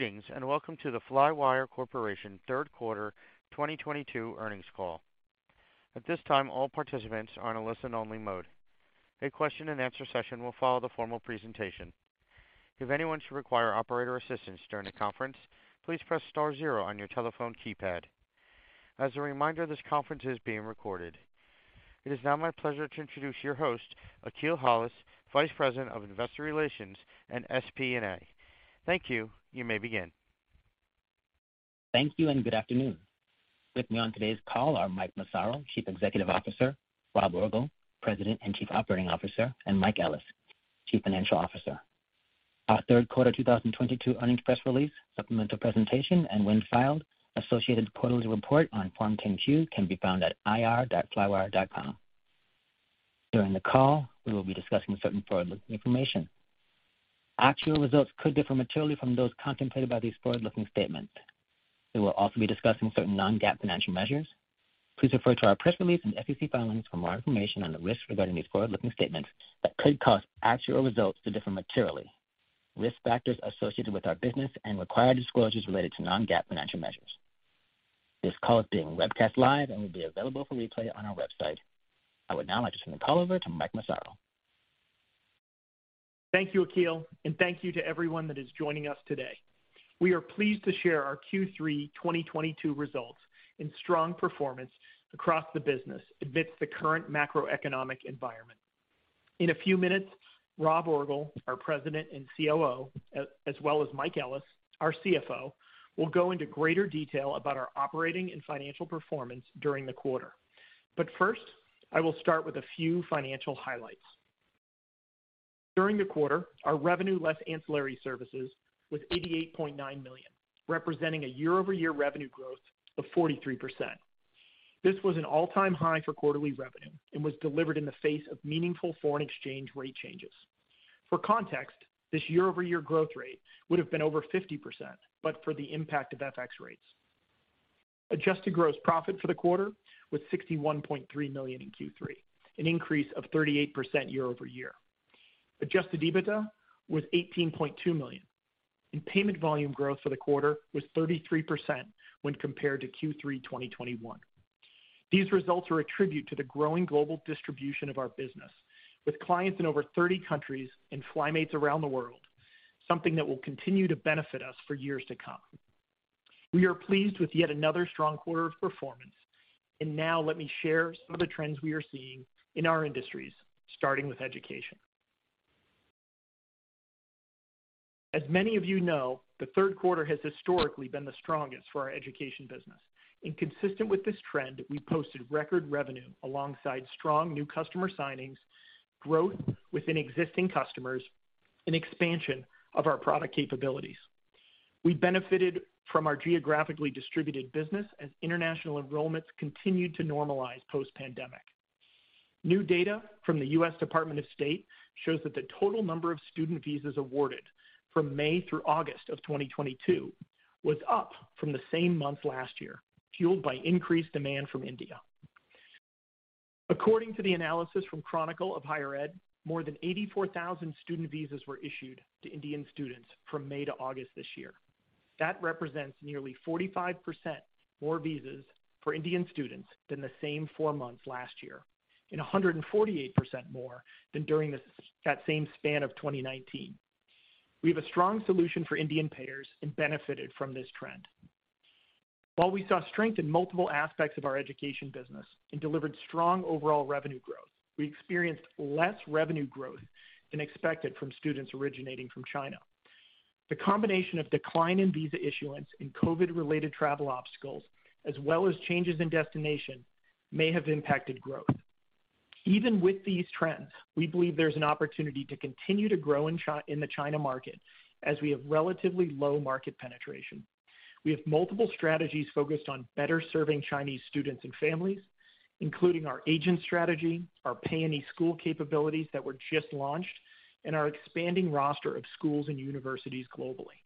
Greetings, and welcome to the Flywire Corporation third quarter 2022 earnings call. At this time, all participants are on a listen only mode. A question and answer session will follow the formal presentation. If anyone should require operator assistance during the conference, please press star zero on your telephone keypad. As a reminder, this conference is being recorded. It is now my pleasure to introduce your host, Akil Hollis, Vice President of Investor Relations and FP&A. Thank you. You may begin. Thank you and good afternoon. With me on today's call are Mike Massaro, Chief Executive Officer, Rob Orgel, President and Chief Operating Officer, and Mike Ellis, Chief Financial Officer. Our third quarter 2022 earnings press release, supplemental presentation, and when filed, associated quarterly report on Form 10-Q can be found at ir.flywire.com. During the call, we will be discussing certain forward-looking information. Actual results could differ materially from those contemplated by these forward-looking statements. We will also be discussing certain non-GAAP financial measures. Please refer to our press release and SEC filings for more information on the risks regarding these forward-looking statements that could cause actual results to differ materially, risk factors associated with our business, and required disclosures related to non-GAAP financial measures. This call is being webcast live and will be available for replay on our website. I would now like to turn the call over to Mike Massaro. Thank you, Akil, and thank you to everyone that is joining us today. We are pleased to share our Q3 2022 results and strong performance across the business amidst the current macroeconomic environment. In a few minutes, Rob Orgel, our President and COO, as well as Mike Ellis, our CFO, will go into greater detail about our operating and financial performance during the quarter. First, I will start with a few financial highlights. During the quarter, our Revenue Less Ancillary Services was $88.9 million, representing a year-over-year revenue growth of 43%. This was an all-time high for quarterly revenue and was delivered in the face of meaningful foreign exchange rate changes. For context, this year-over-year growth rate would have been over 50%, but for the impact of FX rates. Adjusted Gross Profit for the quarter was $61.3 million in Q3, an increase of 38% year-over-year. Adjusted EBITDA was $18.2 million, and payment volume growth for the quarter was 33% when compared to Q3 2021. These results are a tribute to the growing global distribution of our business, with clients in over 30 countries and FlyMates around the world, something that will continue to benefit us for years to come. We are pleased with yet another strong quarter of performance. Now let me share some of the trends we are seeing in our industries, starting with education. As many of you know, the third quarter has historically been the strongest for our education business. Consistent with this trend, we posted record revenue alongside strong new customer signings, growth within existing customers, and expansion of our product capabilities. We benefited from our geographically distributed business as international enrollments continued to normalize post-pandemic. New data from the U.S. Department of State shows that the total number of student visas awarded from May through August of 2022 was up from the same month last year, fueled by increased demand from India. According to the analysis from Chronicle of Higher Ed, more than 84,000 student visas were issued to Indian students from May to August this year. That represents nearly 45% more visas for Indian students than the same four months last year, and 148% more than during that same span of 2019. We have a strong solution for Indian payers and benefited from this trend. While we saw strength in multiple aspects of our education business and delivered strong overall revenue growth, we experienced less revenue growth than expected from students originating from China. The combination of decline in visa issuance and COVID-related travel obstacles, as well as changes in destination may have impacted growth. Even with these trends, we believe there's an opportunity to continue to grow in the China market as we have relatively low market penetration. We have multiple strategies focused on better serving Chinese students and families, including our agent strategy, our Pay Any School capabilities that were just launched, and our expanding roster of schools and universities globally.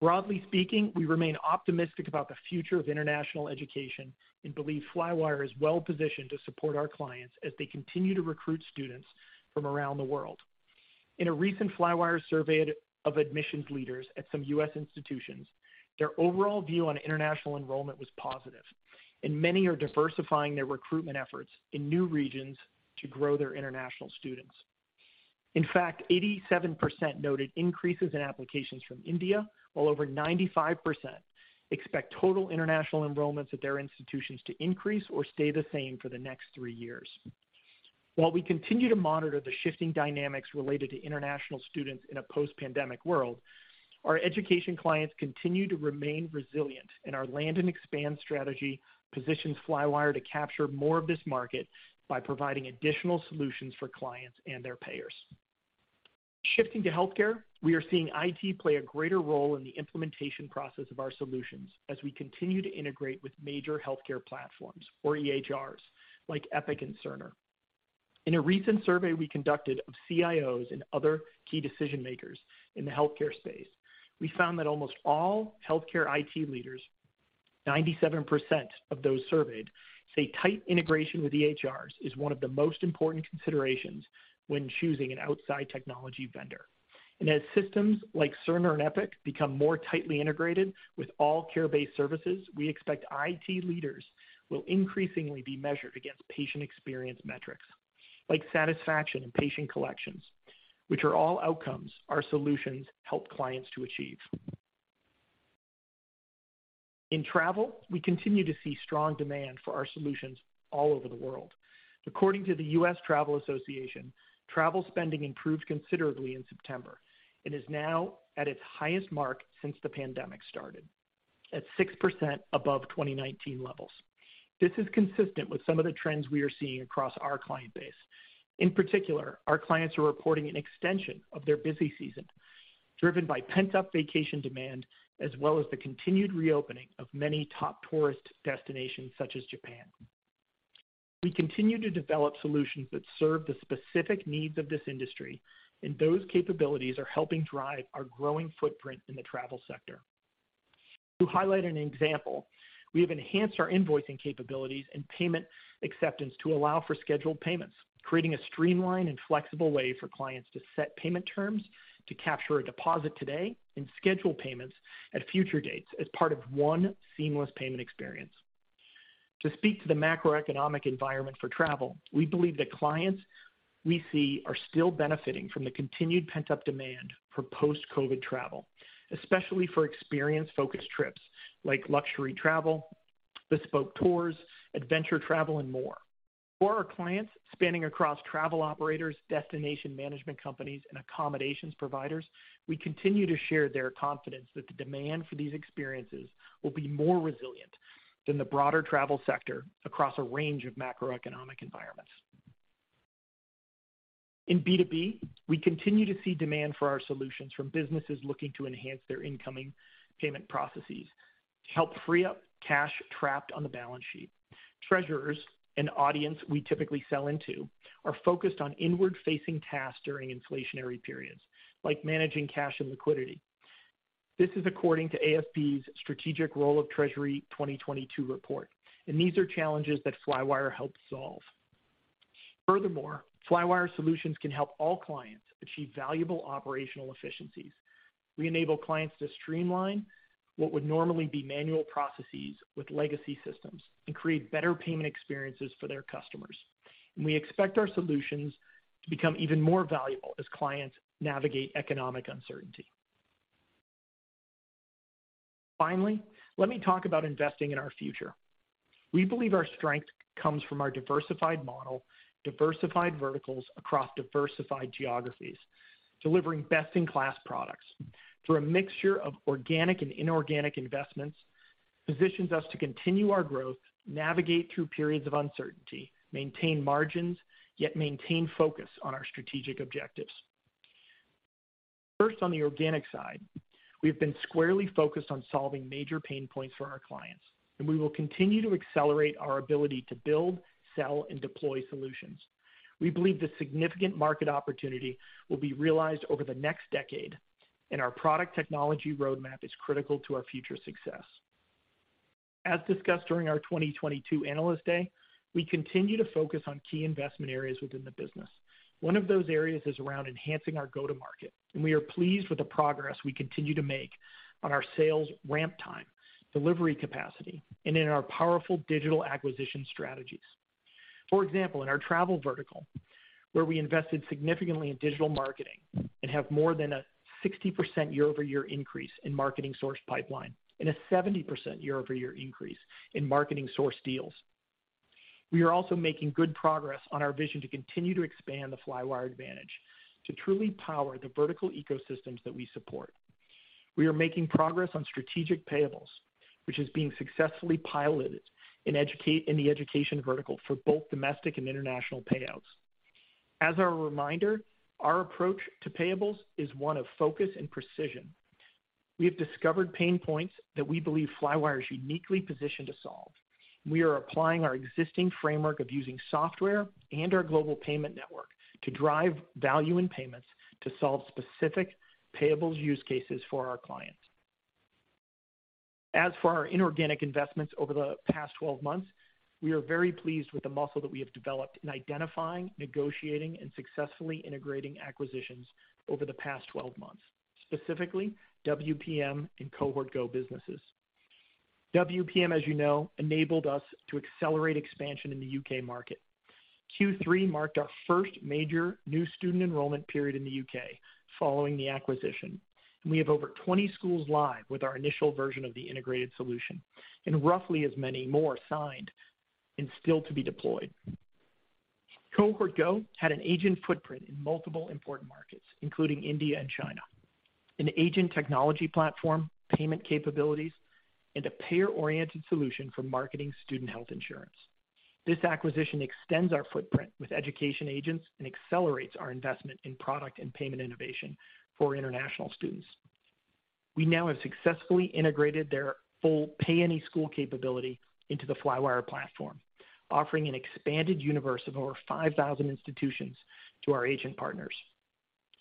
Broadly speaking, we remain optimistic about the future of international education, and believe Flywire is well-positioned to support our clients as they continue to recruit students from around the world. In a recent Flywire survey of admissions leaders at some U.S. institutions, their overall view on international enrollment was positive, and many are diversifying their recruitment efforts in new regions to grow their international students. In fact, 87% noted increases in applications from India, while over 95% expect total international enrollments at their institutions to increase or stay the same for the next three years. While we continue to monitor the shifting dynamics related to international students in a post-pandemic world, our education clients continue to remain resilient, and our land and expand strategy positions Flywire to capture more of this market by providing additional solutions for clients and their payers. Shifting to healthcare, we are seeing IT play a greater role in the implementation process of our solutions as we continue to integrate with major healthcare platforms or EHRs like Epic and Cerner. In a recent survey we conducted of CIOs and other key decision-makers in the healthcare space, we found that almost all healthcare IT leaders, ninety-seven percent of those surveyed, say tight integration with EHRs is one of the most important considerations when choosing an outside technology vendor. As systems like Cerner and Epic become more tightly integrated with all care-based services, we expect IT leaders will increasingly be measured against patient experience metrics like satisfaction and patient collections, which are all outcomes our solutions help clients to achieve. In travel, we continue to see strong demand for our solutions all over the world. According to the U.S. Travel Association, travel spending improved considerably in September and is now at its highest mark since the pandemic started, at 6% above 2019 levels. This is consistent with some of the trends we are seeing across our client base. In particular, our clients are reporting an extension of their busy season, driven by pent-up vacation demand as well as the continued reopening of many top tourist destinations such as Japan. We continue to develop solutions that serve the specific needs of this industry, and those capabilities are helping drive our growing footprint in the travel sector. To highlight an example, we have enhanced our invoicing capabilities and payment acceptance to allow for scheduled payments, creating a streamlined and flexible way for clients to set payment terms to capture a deposit today and schedule payments at future dates as part of one seamless payment experience. To speak to the macroeconomic environment for travel, we believe the clients we see are still benefiting from the continued pent-up demand for post-COVID travel, especially for experience-focused trips like luxury travel, bespoke tours, adventure travel, and more. For our clients spanning across travel operators, destination management companies, and accommodations providers, we continue to share their confidence that the demand for these experiences will be more resilient than the broader travel sector across a range of macroeconomic environments. In B2B, we continue to see demand for our solutions from businesses looking to enhance their incoming payment processes to help free up cash trapped on the balance sheet. Treasurers, an audience we typically sell into, are focused on inward-facing tasks during inflationary periods, like managing cash and liquidity. This is according to AFP's Strategic Role of Treasury 2022 report, and these are challenges that Flywire helps solve. Furthermore, Flywire solutions can help all clients achieve valuable operational efficiencies. We enable clients to streamline what would normally be manual processes with legacy systems and create better payment experiences for their customers. We expect our solutions to become even more valuable as clients navigate economic uncertainty. Finally, let me talk about investing in our future. We believe our strength comes from our diversified model, diversified verticals across diversified geographies, delivering best-in-class products through a mixture of organic and inorganic investments, positions us to continue our growth, navigate through periods of uncertainty, maintain margins, yet maintain focus on our strategic objectives. First, on the organic side, we've been squarely focused on solving major pain points for our clients, and we will continue to accelerate our ability to build, sell, and deploy solutions. We believe the significant market opportunity will be realized over the next decade, and our product technology roadmap is critical to our future success. As discussed during our 2022 Analyst Day, we continue to focus on key investment areas within the business. One of those areas is around enhancing our go-to-market, and we are pleased with the progress we continue to make on our sales ramp time, delivery capacity, and in our powerful digital acquisition strategies. For example, in our travel vertical, where we invested significantly in digital marketing and have more than a 60% year-over-year increase in marketing source pipeline and a 70% year-over-year increase in marketing source deals. We are also making good progress on our vision to continue to expand the Flywire advantage to truly power the vertical ecosystems that we support. We are making progress on Strategic Payables, which is being successfully piloted in the education vertical for both domestic and international payouts. As a reminder, our approach to payables is one of focus and precision. We have discovered pain points that we believe Flywire is uniquely positioned to solve. We are applying our existing framework of using software and our global payment network to drive value in payments to solve specific payables use cases for our clients. As for our inorganic investments over the past 12 months, we are very pleased with the muscle that we have developed in identifying, negotiating, and successfully integrating acquisitions over the past 12 months, specifically WPM and Cohort Go businesses. WPM, as you know, enabled us to accelerate expansion in the U.K. market. Q3 marked our first major new student enrollment period in the U.K. following the acquisition. We have over 20 schools live with our initial version of the integrated solution, and roughly as many more signed and still to be deployed. Cohort Go had an agent footprint in multiple important markets, including India and China, an agent technology platform, payment capabilities, and a payer-oriented solution for marketing student health insurance. This acquisition extends our footprint with education agents and accelerates our investment in product and payment innovation for international students. We now have successfully integrated their full Pay Any School capability into the Flywire platform, offering an expanded universe of over 5,000 institutions to our agent partners.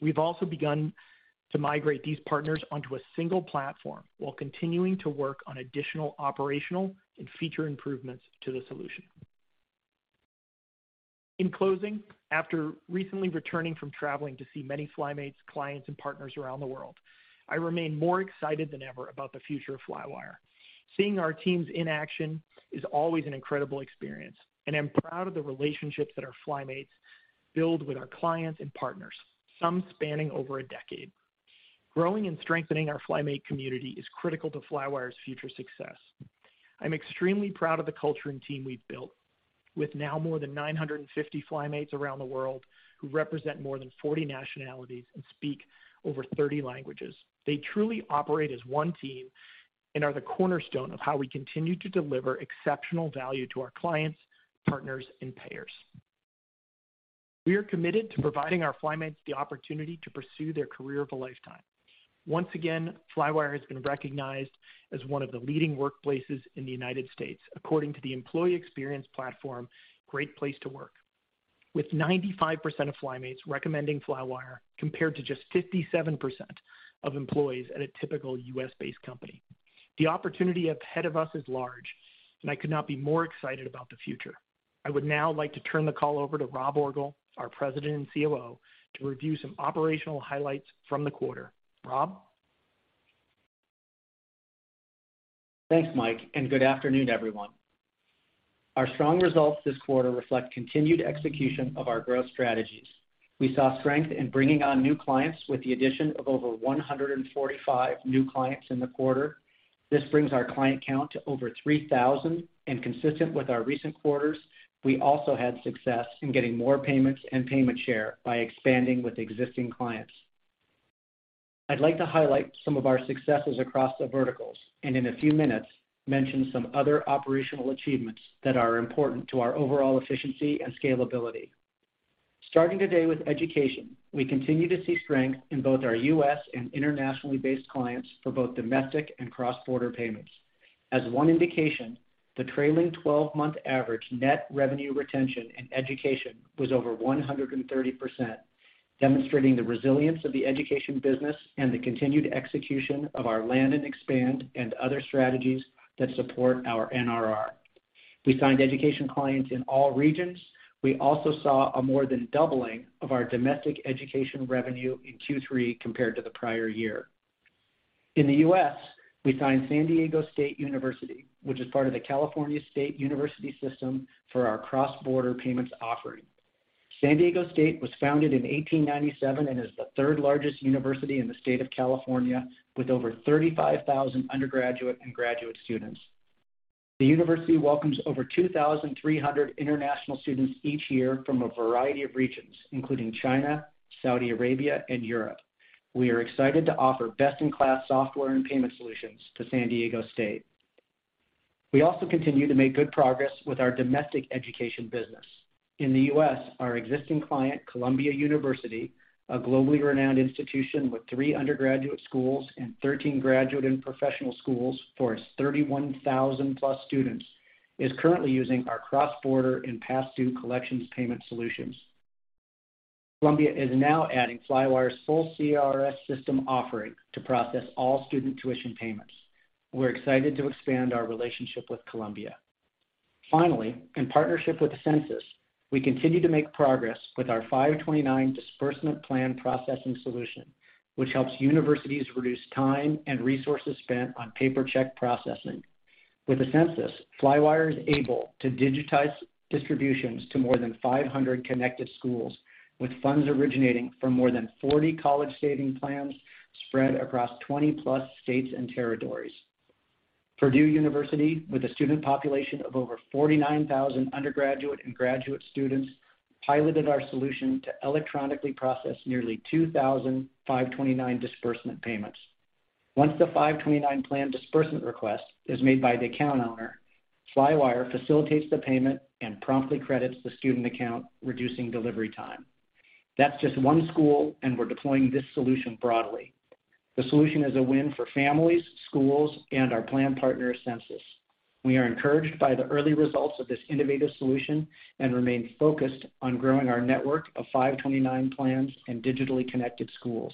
We've also begun to migrate these partners onto a single platform while continuing to work on additional operational and feature improvements to the solution. In closing, after recently returning from traveling to see many FlyMates, clients, and partners around the world, I remain more excited than ever about the future of Flywire. Seeing our teams in action is always an incredible experience, and I'm proud of the relationships that our FlyMates build with our clients and partners, some spanning over a decade. Growing and strengthening our FlyMates community is critical to Flywire's future success. I'm extremely proud of the culture and team we've built with now more than 950 FlyMates around the world who represent more than 40 nationalities and speak over 30 languages. They truly operate as one team and are the cornerstone of how we continue to deliver exceptional value to our clients, partners, and payers. We are committed to providing our FlyMates the opportunity to pursue their career of a lifetime. Once again, Flywire has been recognized as one of the leading workplaces in the United States according to the employee experience platform Great Place to Work, with 95% of FlyMates recommending Flywire compared to just 57% of employees at a typical U.S.-based company. The opportunity ahead of us is large, and I could not be more excited about the future. I would now like to turn the call over to Rob Orgel, our President and COO, to review some operational highlights from the quarter. Rob? Thanks, Mike, and good afternoon, everyone. Our strong results this quarter reflect continued execution of our growth strategies. We saw strength in bringing on new clients with the addition of over 145 new clients in the quarter. This brings our client count to over 3,000. Consistent with our recent quarters, we also had success in getting more payments and payment share by expanding with existing clients. I'd like to highlight some of our successes across the verticals and in a few minutes mention some other operational achievements that are important to our overall efficiency and scalability. Starting today with education. We continue to see strength in both our U.S. and internationally based clients for both domestic and cross-border payments. As one indication, the trailing-12-month average net revenue retention in education was over 130%, demonstrating the resilience of the education business and the continued execution of our land and expand and other strategies that support our NRR. We signed education clients in all regions. We also saw a more than doubling of our domestic education revenue in Q3 compared to the prior year. In the U.S., we signed San Diego State University, which is part of the California State University system, for our cross-border payments offering. San Diego State was founded in 1897 and is the third largest university in the state of California with over 35,000 undergraduate and graduate students. The university welcomes over 2,300 international students each year from a variety of regions, including China, Saudi Arabia, and Europe. We are excited to offer best-in-class software and payment solutions to San Diego State University. We also continue to make good progress with our domestic education business. In the U.S., our existing client, Columbia University, a globally renowned institution with three undergraduate schools and 13 graduate and professional schools for its 31,000-plus students, is currently using our cross-border and past due collections payment solutions. Columbia is now adding Flywire's full CRS system offering to process all student tuition payments. We're excited to expand our relationship with Columbia. Finally, in partnership with Ascensus, we continue to make progress with our 529 disbursement plan processing solution, which helps universities reduce time and resources spent on paper check processing. With Ascensus, Flywire is able to digitize distributions to more than 500 connected schools with funds originating from more than 40 college saving plans spread across 20-plus states and territories. Purdue University, with a student population of over 49,000 undergraduate and graduate students, piloted our solution to electronically process nearly 2,000 529 disbursement payments. Once the 529 plan disbursement request is made by the account owner, Flywire facilitates the payment and promptly credits the student account, reducing delivery time. That's just one school, and we're deploying this solution broadly. The solution is a win for families, schools, and our plan partner, Ascensus. We are encouraged by the early results of this innovative solution and remain focused on growing our network of 529 plans and digitally connected schools.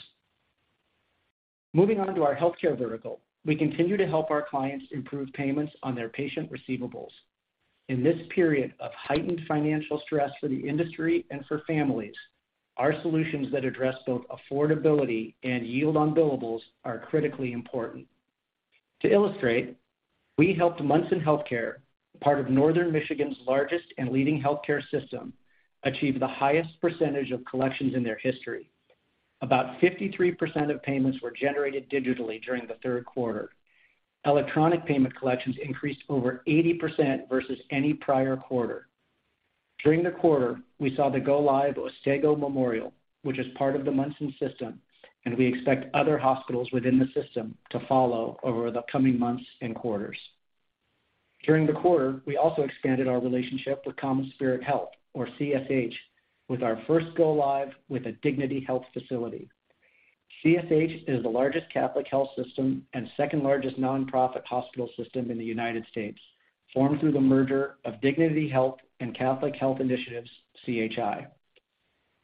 Moving on to our healthcare vertical. We continue to help our clients improve payments on their patient receivables. In this period of heightened financial stress for the industry and for families, our solutions that address both affordability and yield on billables are critically important. To illustrate, we helped Munson Healthcare, part of Northern Michigan's largest and leading healthcare system, achieve the highest percentage of collections in their history. About 53% of payments were generated digitally during the third quarter. Electronic payment collections increased over 80% versus any prior quarter. During the quarter, we saw the go-live of Otsego Memorial, which is part of the Munson system, and we expect other hospitals within the system to follow over the coming months and quarters. During the quarter, we also expanded our relationship with CommonSpirit Health or CSH with our first go-live with a Dignity Health facility. CSH is the largest Catholic health system and second-largest nonprofit hospital system in the United States, formed through the merger of Dignity Health and Catholic Health Initiatives, CHI.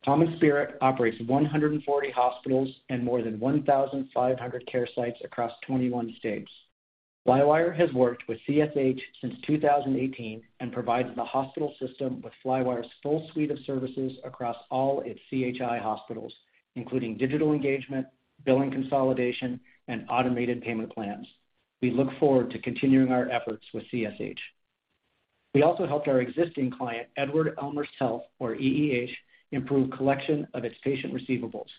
CommonSpirit operates 140 hospitals and more than 1,500 care sites across 21 states. Flywire has worked with CSH since 2018 and provides the hospital system with Flywire's full suite of services across all its CHI hospitals, including digital engagement, billing consolidation, and automated payment plans. We look forward to continuing our efforts with CSH. We also helped our existing client, Edward-Elmhurst Health, or EEH, improve collection of its patient receivables.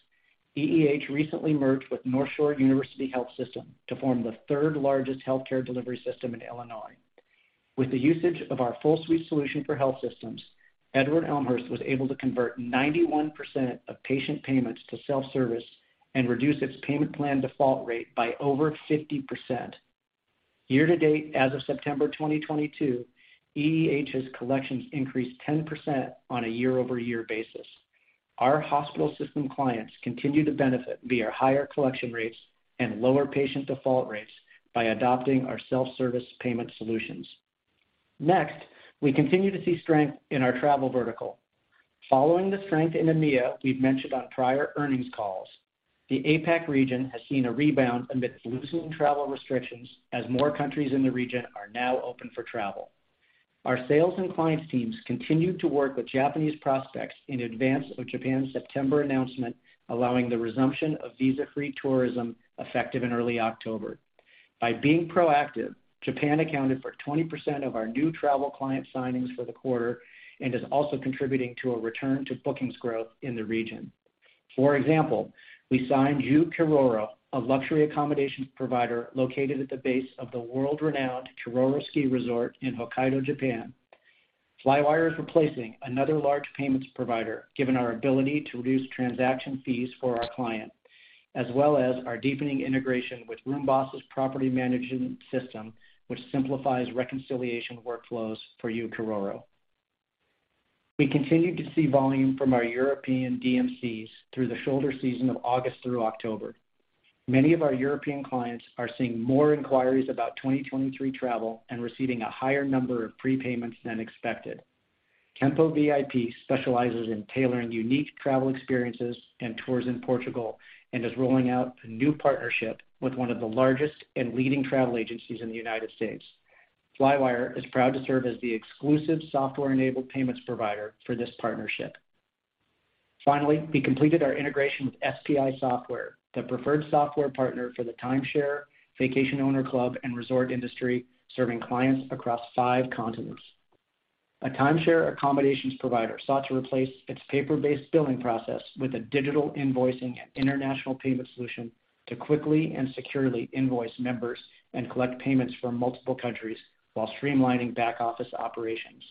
EEH recently merged with NorthShore University HealthSystem to form the third-largest healthcare delivery system in Illinois. With the usage of our full suite solution for health systems, Edward-Elmhurst was able to convert 91% of patient payments to self-service and reduce its payment plan default rate by over 50%. Year to date, as of September 2022, EEH's collections increased 10% on a year-over-year basis. Our hospital system clients continue to benefit via higher collection rates and lower patient default rates by adopting our self-service payment solutions. Next, we continue to see strength in our travel vertical. Following the strength in EMEA we've mentioned on prior earnings calls, the APAC region has seen a rebound amidst loosening travel restrictions as more countries in the region are now open for travel. Our sales and clients teams continued to work with Japanese prospects in advance of Japan's September announcement, allowing the resumption of visa-free tourism effective in early October. By being proactive, Japan accounted for 20% of our new travel client signings for the quarter and is also contributing to a return to bookings growth in the region. For example, we signed Yu Kiroro, a luxury accommodation provider located at the base of the world-renowned Kiroro Ski Resort in Hokkaido, Japan. Flywire is replacing another large payments provider given our ability to reduce transaction fees for our client, as well as our deepening integration with RoomBoss' property management system, which simplifies reconciliation workflows for Yu Kiroro. We continued to see volume from our European DMCs through the shoulder season of August through October. Many of our European clients are seeing more inquiries about 2023 travel and receiving a higher number of prepayments than expected. Tempo VIP specializes in tailoring unique travel experiences and tours in Portugal and is rolling out a new partnership with one of the largest and leading travel agencies in the United States. Flywire is proud to serve as the exclusive software-enabled payments provider for this partnership. Finally, we completed our integration with SPI Software, the preferred software partner for the timeshare, vacation owner club, and resort industry, serving clients across five continents. A timeshare accommodations provider sought to replace its paper-based billing process with a digital invoicing and international payment solution to quickly and securely invoice members and collect payments from multiple countries while streamlining back-office operations.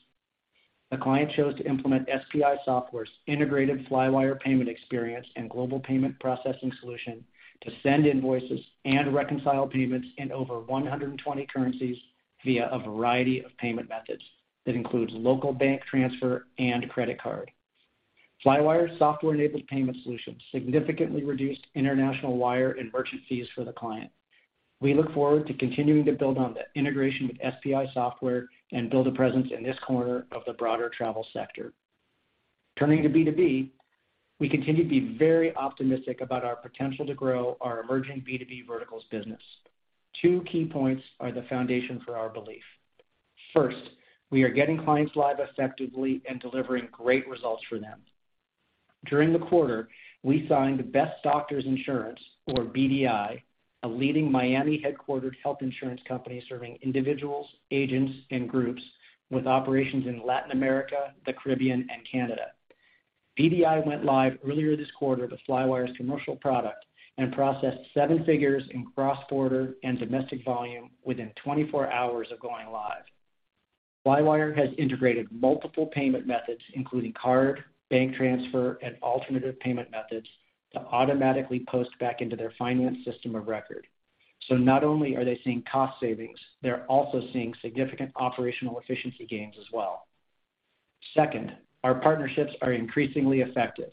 The client chose to implement SPI Software's integrated Flywire payment experience and global payment processing solution to send invoices and reconcile payments in over 120 currencies via a variety of payment methods that includes local bank transfer and credit card. Flywire's software-enabled payment solution significantly reduced international wire and merchant fees for the client. We look forward to continuing to build on the integration with SPI Software and build a presence in this corner of the broader travel sector. Turning to B2B, we continue to be very optimistic about our potential to grow our emerging B2B verticals business. Two key points are the foundation for our belief. First, we are getting clients live effectively and delivering great results for them. During the quarter, we signed Best Doctors Insurance, or BDI, a leading Miami-headquartered health insurance company serving individuals, agents, and groups with operations in Latin America, the Caribbean, and Canada. BDI went live earlier this quarter with Flywire's commercial product and processed seven figures in cross-border and domestic volume within 24 hours of going live. Flywire has integrated multiple payment methods, including card, bank transfer, and alternative payment methods, to automatically post back into their finance system of record. Not only are they seeing cost savings, they're also seeing significant operational efficiency gains as well. Second, our partnerships are increasingly effective.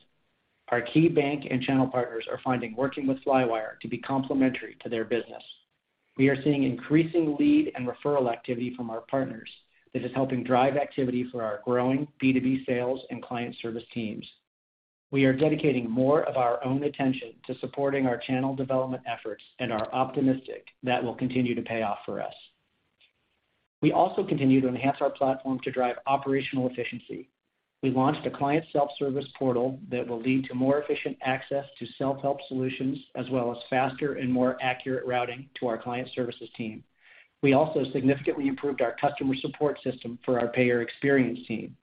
Our key bank and channel partners are finding working with Flywire to be complementary to their business. We are seeing increasing lead and referral activity from our partners that is helping drive activity for our growing B2B sales and client service teams. We are dedicating more of our own attention to supporting our channel development efforts and are optimistic that will continue to pay off for us. We also continue to enhance our platform to drive operational efficiency. We launched a client self-service portal that will lead to more efficient access to self-help solutions as well as faster and more accurate routing to our client services team. We also significantly improved our customer support system for our payer experience team.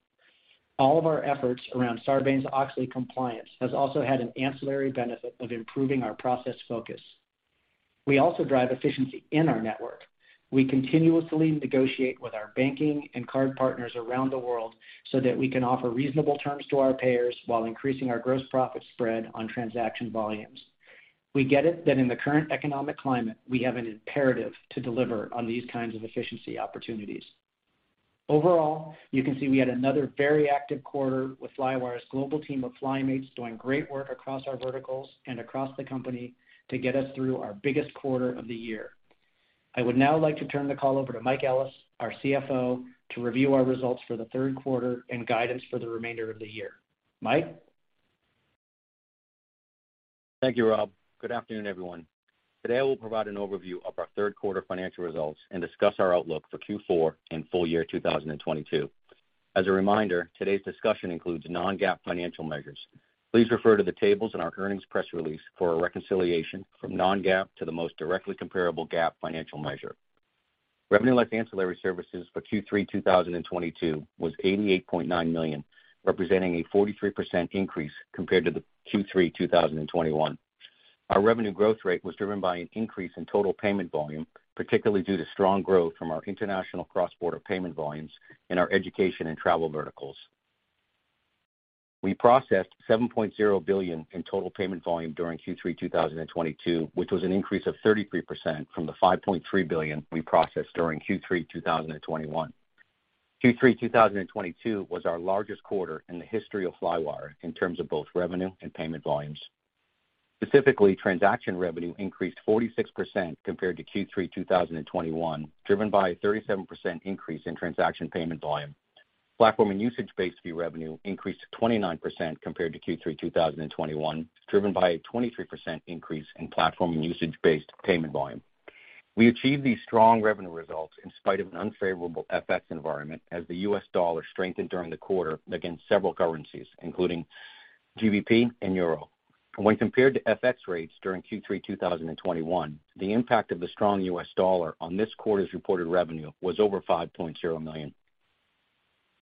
All of our efforts around Sarbanes-Oxley compliance has also had an ancillary benefit of improving our process focus. We also drive efficiency in our network. We continuously negotiate with our banking and card partners around the world so that we can offer reasonable terms to our payers while increasing our gross profit spread on transaction volumes. We get it that in the current economic climate, we have an imperative to deliver on these kinds of efficiency opportunities. Overall, you can see we had another very active quarter with Flywire's global team of FlyMates doing great work across our verticals and across the company to get us through our biggest quarter of the year. I would now like to turn the call over to Mike Ellis, our CFO, to review our results for the third quarter and guidance for the remainder of the year. Mike? Thank you, Rob. Good afternoon, everyone. Today, I will provide an overview of our third quarter financial results and discuss our outlook for Q4 and full year 2022. As a reminder, today's discussion includes non-GAAP financial measures. Please refer to the tables in our earnings press release for a reconciliation from non-GAAP to the most directly comparable GAAP financial measure. Revenue less ancillary services for Q3 2022 was $88.9 million, representing a 43% increase compared to the Q3 2021. Our revenue growth rate was driven by an increase in total payment volume, particularly due to strong growth from our international cross-border payment volumes in our education and travel verticals. We processed $7.0 billion in total payment volume during Q3 2022, which was an increase of 33% from the $5.3 billion we processed during Q3 2021. Q3 2022 was our largest quarter in the history of Flywire in terms of both revenue and payment volumes. Specifically, transaction revenue increased 46% compared to Q3 2021, driven by a 37% increase in transaction payment volume. Platform and usage-based fee revenue increased 29% compared to Q3 2021, driven by a 23% increase in platform and usage-based payment volume. We achieved these strong revenue results in spite of an unfavorable FX environment as the US dollar strengthened during the quarter against several currencies, including GBP and euro. When compared to FX rates during Q3 2021, the impact of the strong U.S. dollar on this quarter's reported revenue was over $5.0 million,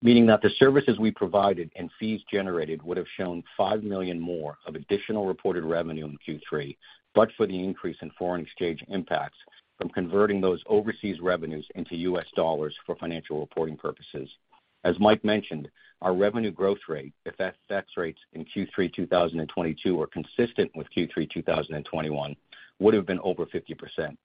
meaning that the services we provided and fees generated would have shown $5 million more of additional reported revenue in Q3, but for the increase in foreign exchange impacts from converting those overseas revenues into U.S. Dollars for financial reporting purposes. As Mike mentioned, our revenue growth rate, if FX rates in Q3 2022 were consistent with Q3 2021, would have been over 50%.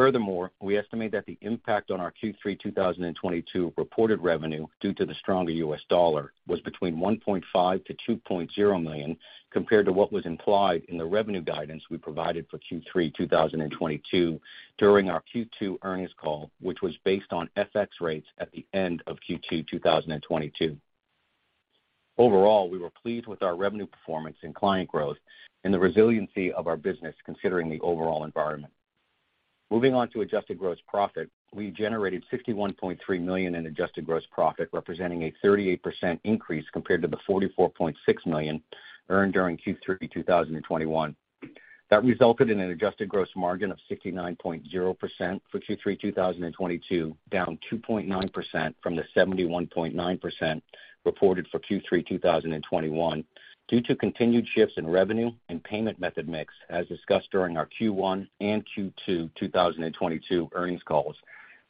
Furthermore, we estimate that the impact on our Q3 2022 reported revenue due to the stronger U.S. dollar was between $1.5 million-$2.0 million, compared to what was implied in the revenue guidance we provided for Q3 2022 during our Q2 earnings call, which was based on FX rates at the end of Q2 2022. Overall, we were pleased with our revenue performance and client growth and the resiliency of our business considering the overall environment. Moving on to adjusted gross profit. We generated $61.3 million in adjusted gross profit, representing a 38% increase compared to the $44.6 million earned during Q3 2021. That resulted in an Adjusted Gross Margin of 69.0% for Q3 2022, down 2.9% from the 71.9% reported for Q3 2021 due to continued shifts in revenue and payment method mix, as discussed during our Q1 and Q2 2022 earnings calls,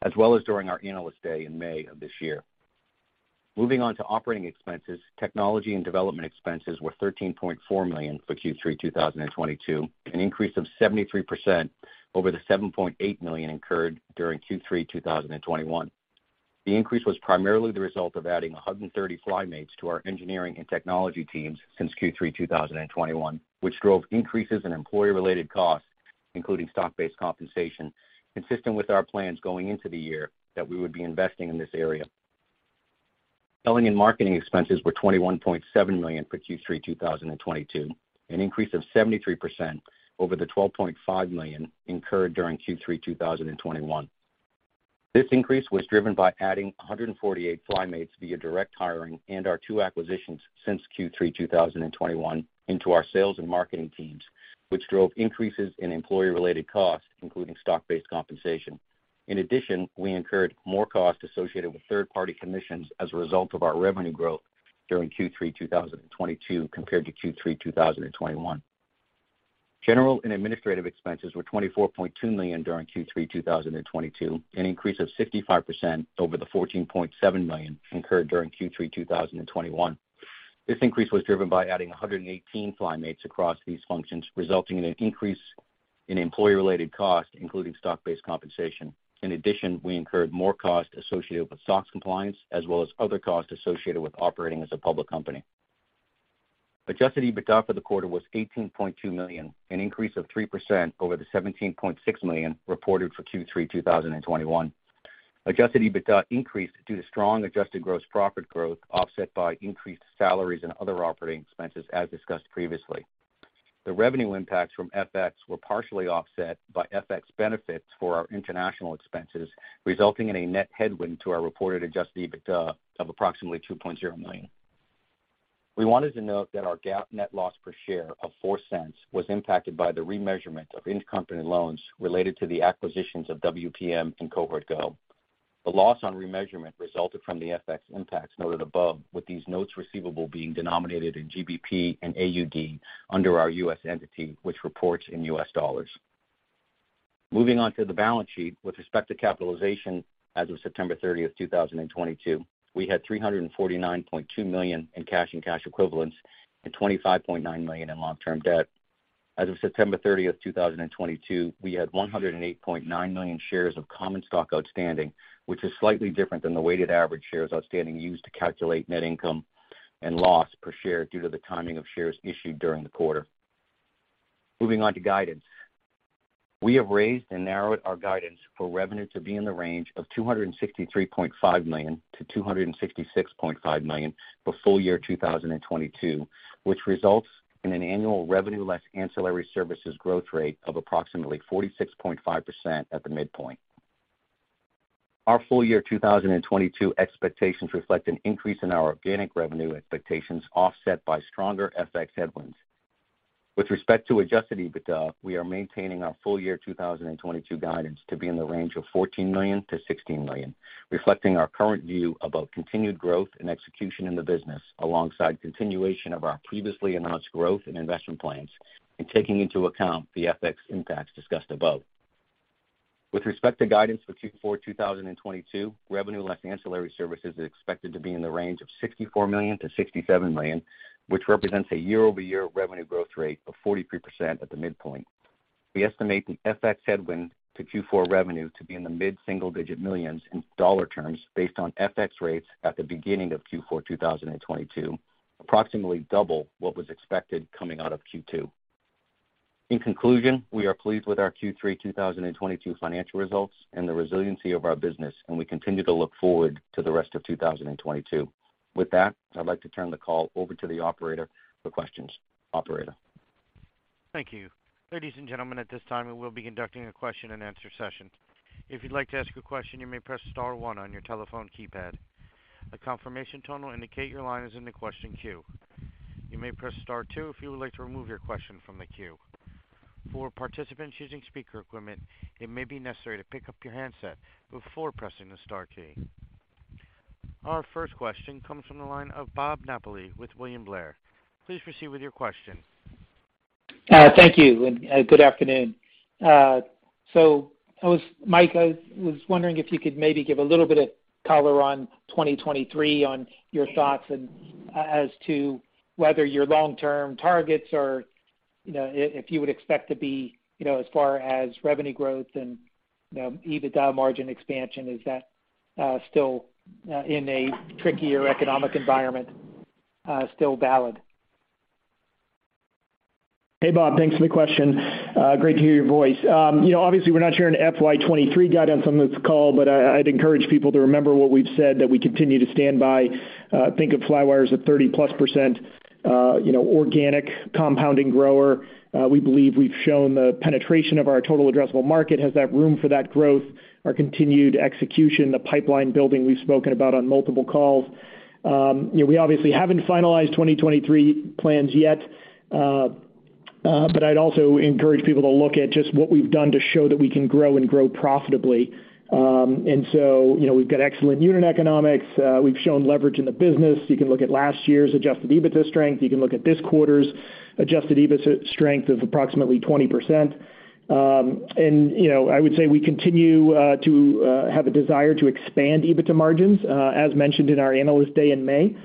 as well as during our Analyst Day in May of this year. Moving on to operating expenses, technology and development expenses were $13.4 million for Q3 2022, an increase of 73% over the $7.8 million incurred during Q3 2021. The increase was primarily the result of adding 130 FlyMates to our engineering and technology teams since Q3 2021, which drove increases in employee-related costs, including stock-based compensation, consistent with our plans going into the year that we would be investing in this area. Selling and marketing expenses were $21.7 million for Q3 2022, an increase of 73% over the $12.5 million incurred during Q3 2021. This increase was driven by adding 148 FlyMates via direct hiring and our two acquisitions since Q3 2021 into our sales and marketing teams, which drove increases in employee-related costs, including stock-based compensation. In addition, we incurred more costs associated with third-party commissions as a result of our revenue growth during Q3 2022 compared to Q3 2021. General and administrative expenses were $24.2 million during Q3 2022, an increase of 55% over the $14.7 million incurred during Q3 2021. This increase was driven by adding 118 FlyMates across these functions, resulting in an increase in employee-related costs, including stock-based compensation. In addition, we incurred more costs associated with SOX compliance, as well as other costs associated with operating as a public company. Adjusted EBITDA for the quarter was $18.2 million, an increase of 3% over the $17.6 million reported for Q3 2021. Adjusted EBITDA increased due to strong adjusted gross profit growth, offset by increased salaries and other operating expenses, as discussed previously. The revenue impacts from FX were partially offset by FX benefits for our international expenses, resulting in a net headwind to our reported Adjusted EBITDA of approximately $2.0 million. We wanted to note that our GAAP net loss per share of $0.04 was impacted by the remeasurement of intercompany loans related to the acquisitions of WPM and Cohort Go. The loss on remeasurement resulted from the FX impacts noted above, with these notes receivable being denominated in GBP and AUD under our U.S. entity, which reports in U.S. dollars. Moving on to the balance sheet. With respect to capitalization as of September 30, 2022, we had $349.2 million in cash and cash equivalents and $25.9 million in long-term debt. As of September 30, 2022, we had 108.9 million shares of common stock outstanding, which is slightly different than the weighted average shares outstanding used to calculate net income and loss per share due to the timing of shares issued during the quarter. Moving on to guidance. We have raised and narrowed our guidance for revenue to be in the range of $263.5 million-$266.5 million for full year 2022, which results in an annual Revenue Less Ancillary Services growth rate of approximately 46.5% at the midpoint. Our full year 2022 expectations reflect an increase in our organic revenue expectations, offset by stronger FX headwinds. With respect to Adjusted EBITDA, we are maintaining our full year 2022 guidance to be in the range of $14 million-$16 million, reflecting our current view about continued growth and execution in the business, alongside continuation of our previously announced growth and investment plans, and taking into account the FX impacts discussed above. With respect to guidance for Q4 2022, Revenue Less Ancillary Services is expected to be in the range of $64 million-$67 million, which represents a year-over-year revenue growth rate of 43% at the midpoint. We estimate the FX headwind to Q4 revenue to be in the mid single-digit millions in dollar terms based on FX rates at the beginning of Q4 2022, approximately double what was expected coming out of Q2. In conclusion, we are pleased with our Q3 2022 financial results and the resiliency of our business, and we continue to look forward to the rest of 2022. With that, I'd like to turn the call over to the operator for questions. Operator? Thank you. Ladies and gentlemen, at this time, we will be conducting a question-and-answer session. If you'd like to ask a question, you may press star one on your telephone keypad. A confirmation tone will indicate your line is in the question queue. You may press star two if you would like to remove your question from the queue. For participants using speaker equipment, it may be necessary to pick up your handset before pressing the star key. Our first question comes from the line of Bob Napoli with William Blair. Please proceed with your question. Thank you, good afternoon. Mike, I was wondering if you could maybe give a little bit of color on 2023 on your thoughts and, as to whether your long-term targets are, you know, if you would expect to be, you know, as far as revenue growth and, you know, EBITDA margin expansion, is that, still, in a trickier economic environment, still valid? Hey, Bob. Thanks for the question. Great to hear your voice. You know, obviously, we're not sharing FY 2023 guidance on this call, but I'd encourage people to remember what we've said that we continue to stand by. Think of Flywire as a 30%+, you know, organic compounding grower. We believe we've shown the penetration of our total addressable market has that room for that growth, our continued execution, the pipeline building we've spoken about on multiple calls. You know, we obviously haven't finalized 2023 plans yet, but I'd also encourage people to look at just what we've done to show that we can grow and grow profitably. You know, we've got excellent unit economics. We've shown leverage in the business. You can look at last year's Adjusted EBITDA strength. You can look at this quarter's Adjusted EBITDA strength of approximately 20%. You know, I would say we continue to have a desire to expand EBITDA margins, as mentioned in our Analyst Day in May.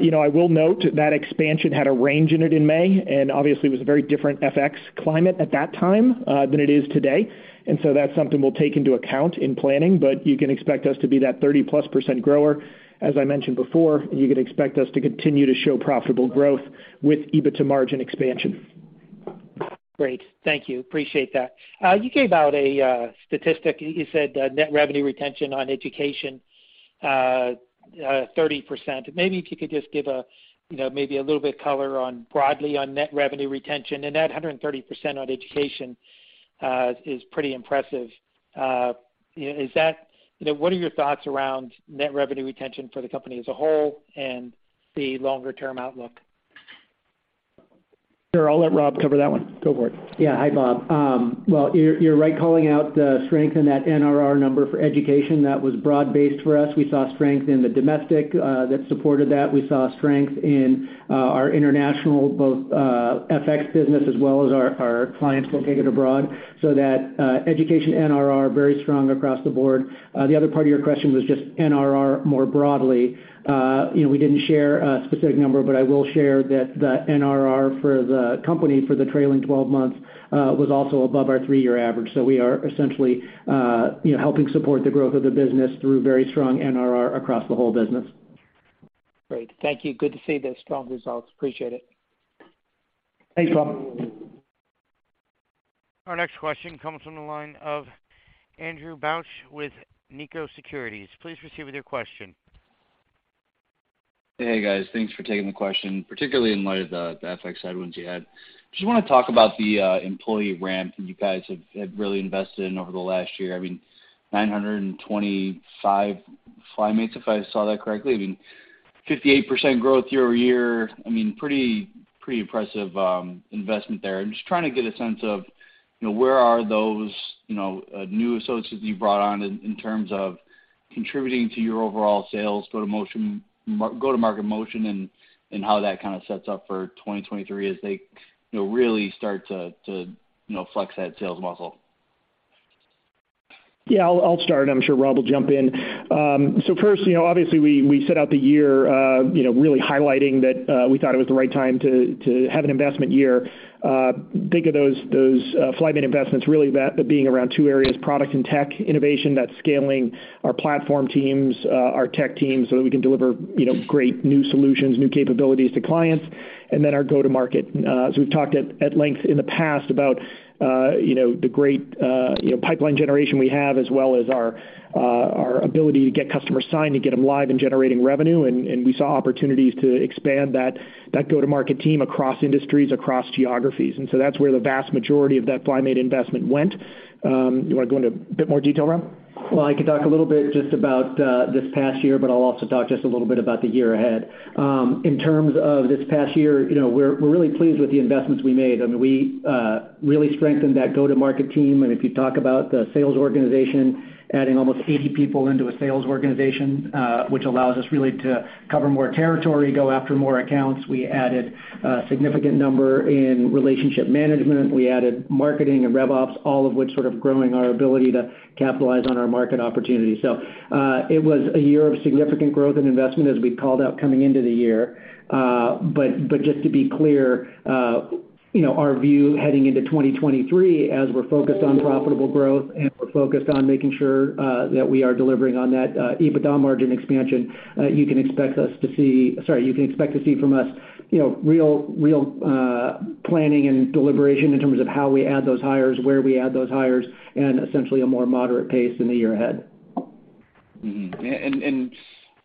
You know, I will note that expansion had a range in it in May, and obviously it was a very different FX climate at that time than it is today. That's something we'll take into account in planning. You can expect us to be that 30%+ grower, as I mentioned before, and you can expect us to continue to show profitable growth with EBITDA margin expansion. Great. Thank you. Appreciate that. You gave out a statistic. You said net revenue retention on education 30%. Maybe if you could just give a, you know, maybe a little bit of color on broadly on net revenue retention and that 130% on education is pretty impressive. You know, what are your thoughts around net revenue retention for the company as a whole and the longer term outlook? Sure. I'll let Rob cover that one. Go for it. Yeah. Hi, Bob. Well, you're right calling out the strength in that NRR number for education. That was broad-based for us. We saw strength in the domestic that supported that. We saw strength in our international both FX business as well as our clients located abroad. So that education NRR, very strong across the board. The other part of your question was just NRR more broadly. You know, we didn't share a specific number, but I will share that the NRR for the company for the trailing twelve months was also above our three-year average. So we are essentially you know, helping support the growth of the business through very strong NRR across the whole business. Great. Thank you. Good to see those strong results. Appreciate it. Thanks, Bob. Our next question comes from the line of Andrew Bauch with SMBC Nikko Securities. Please proceed with your question. Hey, guys. Thanks for taking the question, particularly in light of the FX headwinds you had. Just wanna talk about the employee ramp that you guys have really invested in over the last year. I mean, 925 FlyMates, if I saw that correctly. I mean, 58% growth year-over-year. I mean, pretty impressive investment there. I'm just trying to get a sense of, you know, where are those, you know, new associates that you brought on in terms of contributing to your overall sales go-to-market motion and how that kind of sets up for 2023 as they, you know, really start to flex that sales muscle? Yeah, I'll start. I'm sure Rob will jump in. So first, you know, obviously we set out the year, you know, really highlighting that we thought it was the right time to have an investment year. Think of those FlyMates investments really that being around two areas, product and tech innovation, that scaling our platform teams, our tech teams, so that we can deliver, you know, great new solutions, new capabilities to clients, and then our go-to-market. As we've talked at length in the past about, you know, the great, you know, pipeline generation we have, as well as our ability to get customers signed, to get them live and generating revenue, and we saw opportunities to expand that go-to-market team across industries, across geographies. That's where the vast majority of that FlyMates investment went. You wanna go into a bit more detail, Rob? Well, I could talk a little bit just about this past year, but I'll also talk just a little bit about the year ahead. In terms of this past year, you know, we're really pleased with the investments we made. I mean, we really strengthened that go-to-market team. If you talk about the sales organization, adding almost 80 people into a sales organization, which allows us really to cover more territory, go after more accounts. We added a significant number in relationship management. We added marketing and rev ops, all of which sort of growing our ability to capitalize on our market opportunity. It was a year of significant growth and investment as we called out coming into the year. Just to be clear, you know, our view heading into 2023, as we're focused on profitable growth, and we're focused on making sure that we are delivering on that EBITDA margin expansion, you can expect to see from us, you know, real planning and deliberation in terms of how we add those hires, where we add those hires, and essentially a more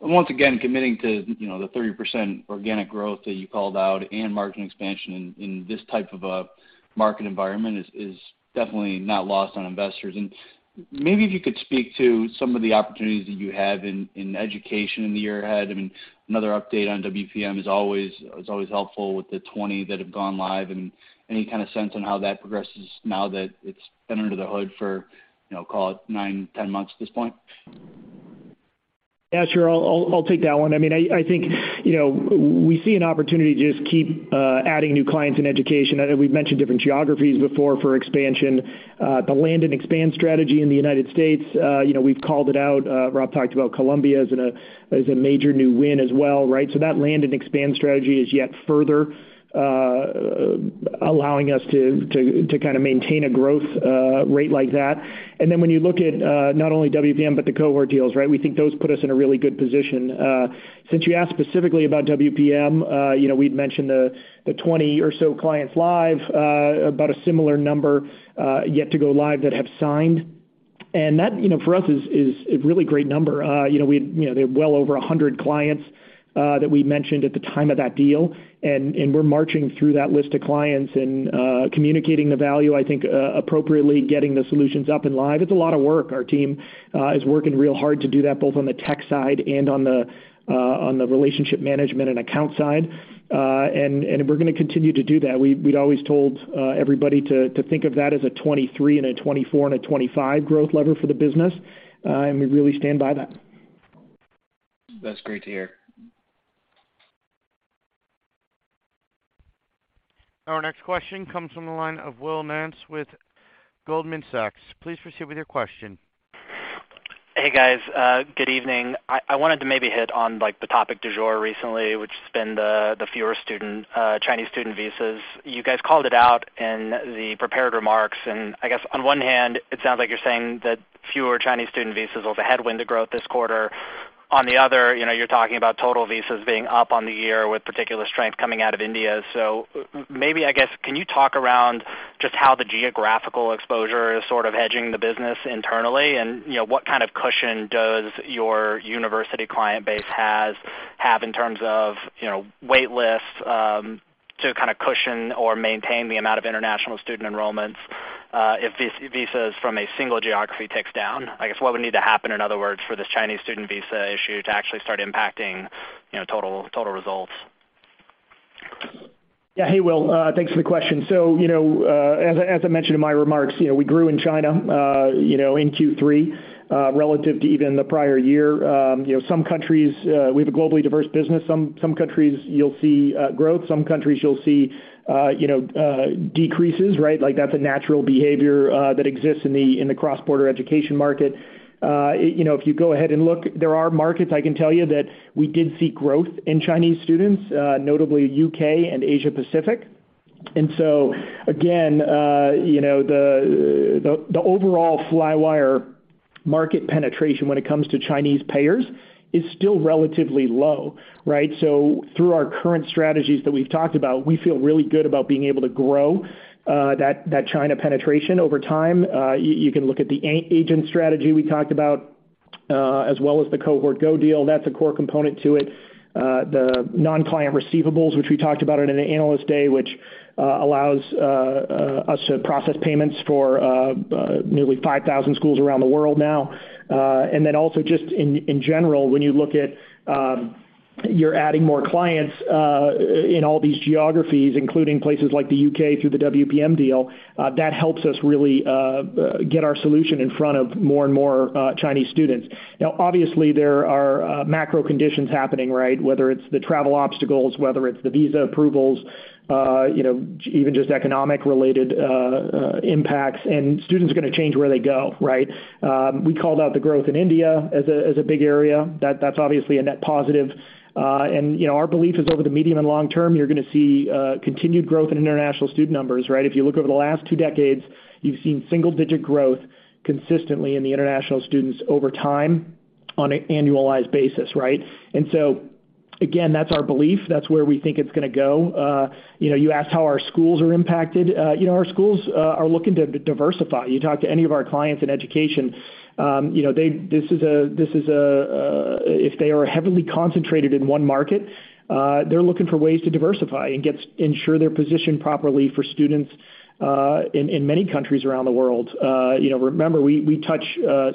moderate pace in the year ahead. Once again, committing to, you know, the 30% organic growth that you called out and margin expansion in this type of a market environment is definitely not lost on investors. Maybe if you could speak to some of the opportunities that you have in education in the year ahead. I mean, another update on WPM is always helpful with the 20 that have gone live, and any kind of sense on how that progresses now that it's been under the hood for, you know, call it 9, 10 months at this point. Yeah, sure. I'll take that one. I mean, I think, you know, we see an opportunity to just keep adding new clients in education. I know we've mentioned different geographies before for expansion. The land and expand strategy in the United States, you know, we've called it out. Rob talked about Columbia as a major new win as well, right? That land and expand strategy is yet further allowing us to kinda maintain a growth rate like that. When you look at not only WPM, but the cohort deals, right? We think those put us in a really good position. Since you asked specifically about WPM, you know, we'd mentioned the 20 or so clients live, about a similar number yet to go live that have signed. That, you know, for us is a really great number. You know, they have well over 100 clients that we mentioned at the time of that deal, and we're marching through that list of clients and communicating the value, I think, appropriately getting the solutions up and live. It's a lot of work. Our team is working real hard to do that, both on the tech side and on the relationship management and account side. And we're gonna continue to do that. We'd always told everybody to think of that as a 2023 and a 2024 and a 2025 growth lever for the business, and we really stand by that. That's great to hear. Our next question comes from the line of Will Nance with Goldman Sachs. Please proceed with your question. Hey, guys. Good evening. I wanted to maybe hit on like the topic du jour recently, which has been the fewer student Chinese student visas. You guys called it out in the prepared remarks. I guess on one hand, it sounds like you're saying that fewer Chinese student visas was a headwind to growth this quarter. On the other, you know, you're talking about total visas being up on the year with particular strength coming out of India. Maybe, I guess, can you talk around just how the geographical exposure is sort of hedging the business internally? What kind of cushion does your university client base have in terms of, you know, wait lists, to kind of cushion or maintain the amount of international student enrollments, if visas from a single geography ticks down? I guess what would need to happen, in other words, for this Chinese student visa issue to actually start impacting, you know, total results? Yeah. Hey, Will. Thanks for the question. So, you know, as I mentioned in my remarks, you know, we grew in China, you know, in Q3, relative to even the prior year. You know, some countries, we have a globally diverse business. Some countries you'll see, growth, some countries you'll see, you know, decreases, right? Like that's a natural behavior, that exists in the cross-border education market. You know, if you go ahead and look, there are markets, I can tell you that we did see growth in Chinese students, notably U.K. and Asia Pacific. Again, you know, the overall Flywire market penetration when it comes to Chinese payers is still relatively low, right? Through our current strategies that we've talked about, we feel really good about being able to grow that China penetration over time. You can look at the agent strategy we talked about, as well as the Cohort Go deal. That's a core component to it. The non-client receivables, which we talked about at an Analyst Day, allows us to process payments for nearly 5,000 schools around the world now. You're adding more clients in all these geographies, including places like the U.K. through the WPM deal, that helps us really get our solution in front of more and more Chinese students. Now, obviously, there are macro conditions happening, right? Whether it's the travel obstacles, whether it's the visa approvals, even just economic related impacts and students are gonna change where they go, right? We called out the growth in India as a big area. That's obviously a net positive. Our belief is over the medium and long term, you're gonna see continued growth in international student numbers, right? If you look over the last two decades, you've seen single-digit growth consistently in the international students over time on an annualized basis, right? Again, that's our belief. That's where we think it's gonna go. You asked how our schools are impacted. Our schools are looking to diversify. You talk to any of our clients in education, you know, they—this is a if they are heavily concentrated in one market, they're looking for ways to diversify and ensure they're positioned properly for students, in many countries around the world. You know, remember, we touch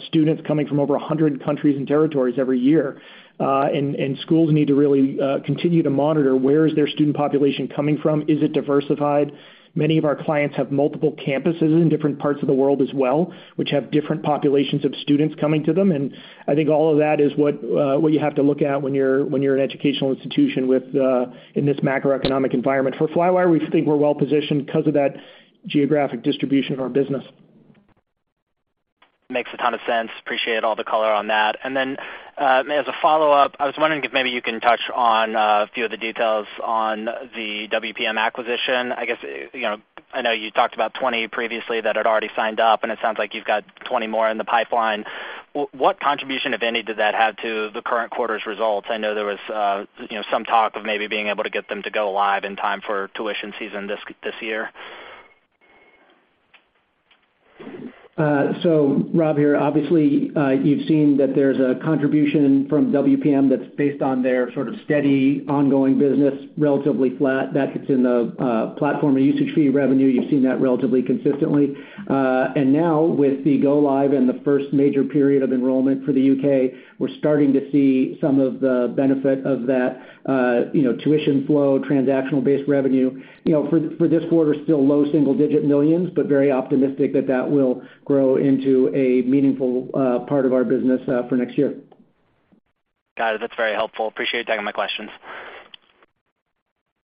students coming from over 100 countries and territories every year. Schools need to really continue to monitor where is their student population coming from? Is it diversified? Many of our clients have multiple campuses in different parts of the world as well, which have different populations of students coming to them. I think all of that is what you have to look at when you're an educational institution in this macroeconomic environment. For Flywire, we think we're well-positioned because of that geographic distribution of our business. Makes a ton of sense. Appreciate all the color on that. As a follow-up, I was wondering if maybe you can touch on a few of the details on the WPM acquisition. I guess, you know, I know you talked about 20 previously that had already signed up, and it sounds like you've got 20 more in the pipeline. What contribution, if any, did that have to the current quarter's results? I know there was, you know, some talk of maybe being able to get them to go live in time for tuition season this year. Rob here, obviously, you've seen that there's a contribution from WPM that's based on their sort of steady ongoing business, relatively flat. That's in the platform and usage fee revenue. You've seen that relatively consistently. Now with the go live and the first major period of enrollment for the U.K., we're starting to see some of the benefit of that, you know, tuition flow, transactional based revenue. You know, for this quarter, still low single-digit millions, but very optimistic that that will grow into a meaningful part of our business for next year. Got it. That's very helpful. Appreciate you taking my questions.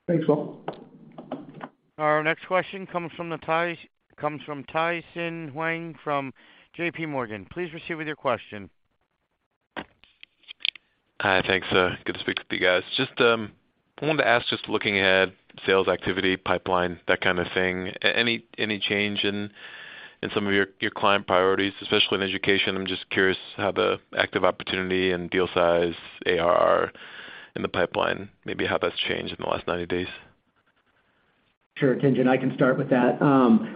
Thanks, Will. Our next question comes from Tien-Tsin Huang from JPMorgan. Please proceed with your question. Hi. Thanks, good to speak with you guys. Just, I wanted to ask, just looking at sales activity pipeline, that kind of thing, any change in some of your client priorities, especially in education? I'm just curious how the active opportunity and deal size ARR in the pipeline, maybe how that's changed in the last 90 days. Sure, Tien-Tsin Huang, I can start with that.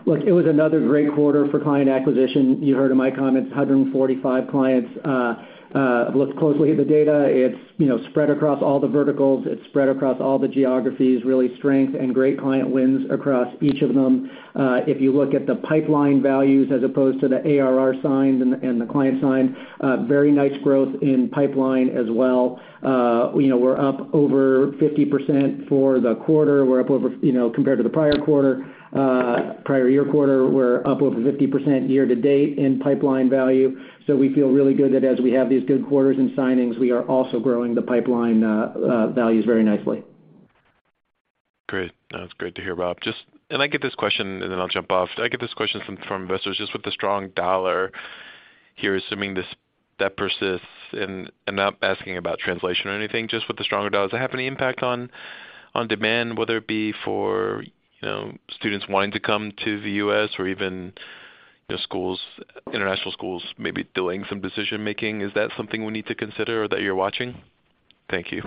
Look, it was another great quarter for client acquisition. You heard in my comments, 145 clients. I've looked closely at the data. It's, you know, spread across all the verticals. It's spread across all the geographies, real strength and great client wins across each of them. If you look at the pipeline values as opposed to the ARR signed and the client signed, very nice growth in pipeline as well. You know, we're up over 50% for the quarter. We're up over, you know, compared to the prior quarter, prior year quarter, we're up over 50% year to date in pipeline value. We feel really good that as we have these good quarters in signings, we are also growing the pipeline values very nicely. Great. That's great to hear, Rob. Just I get this question, and then I'll jump off. I get this question from investors just with the strong dollar here, assuming this that persists, and I'm not asking about translation or anything, just with the stronger dollars, does it have any impact on demand, whether it be for, you know, students wanting to come to the U.S. or even the schools, international schools maybe doing some decision making? Is that something we need to consider or that you're watching? Thank you.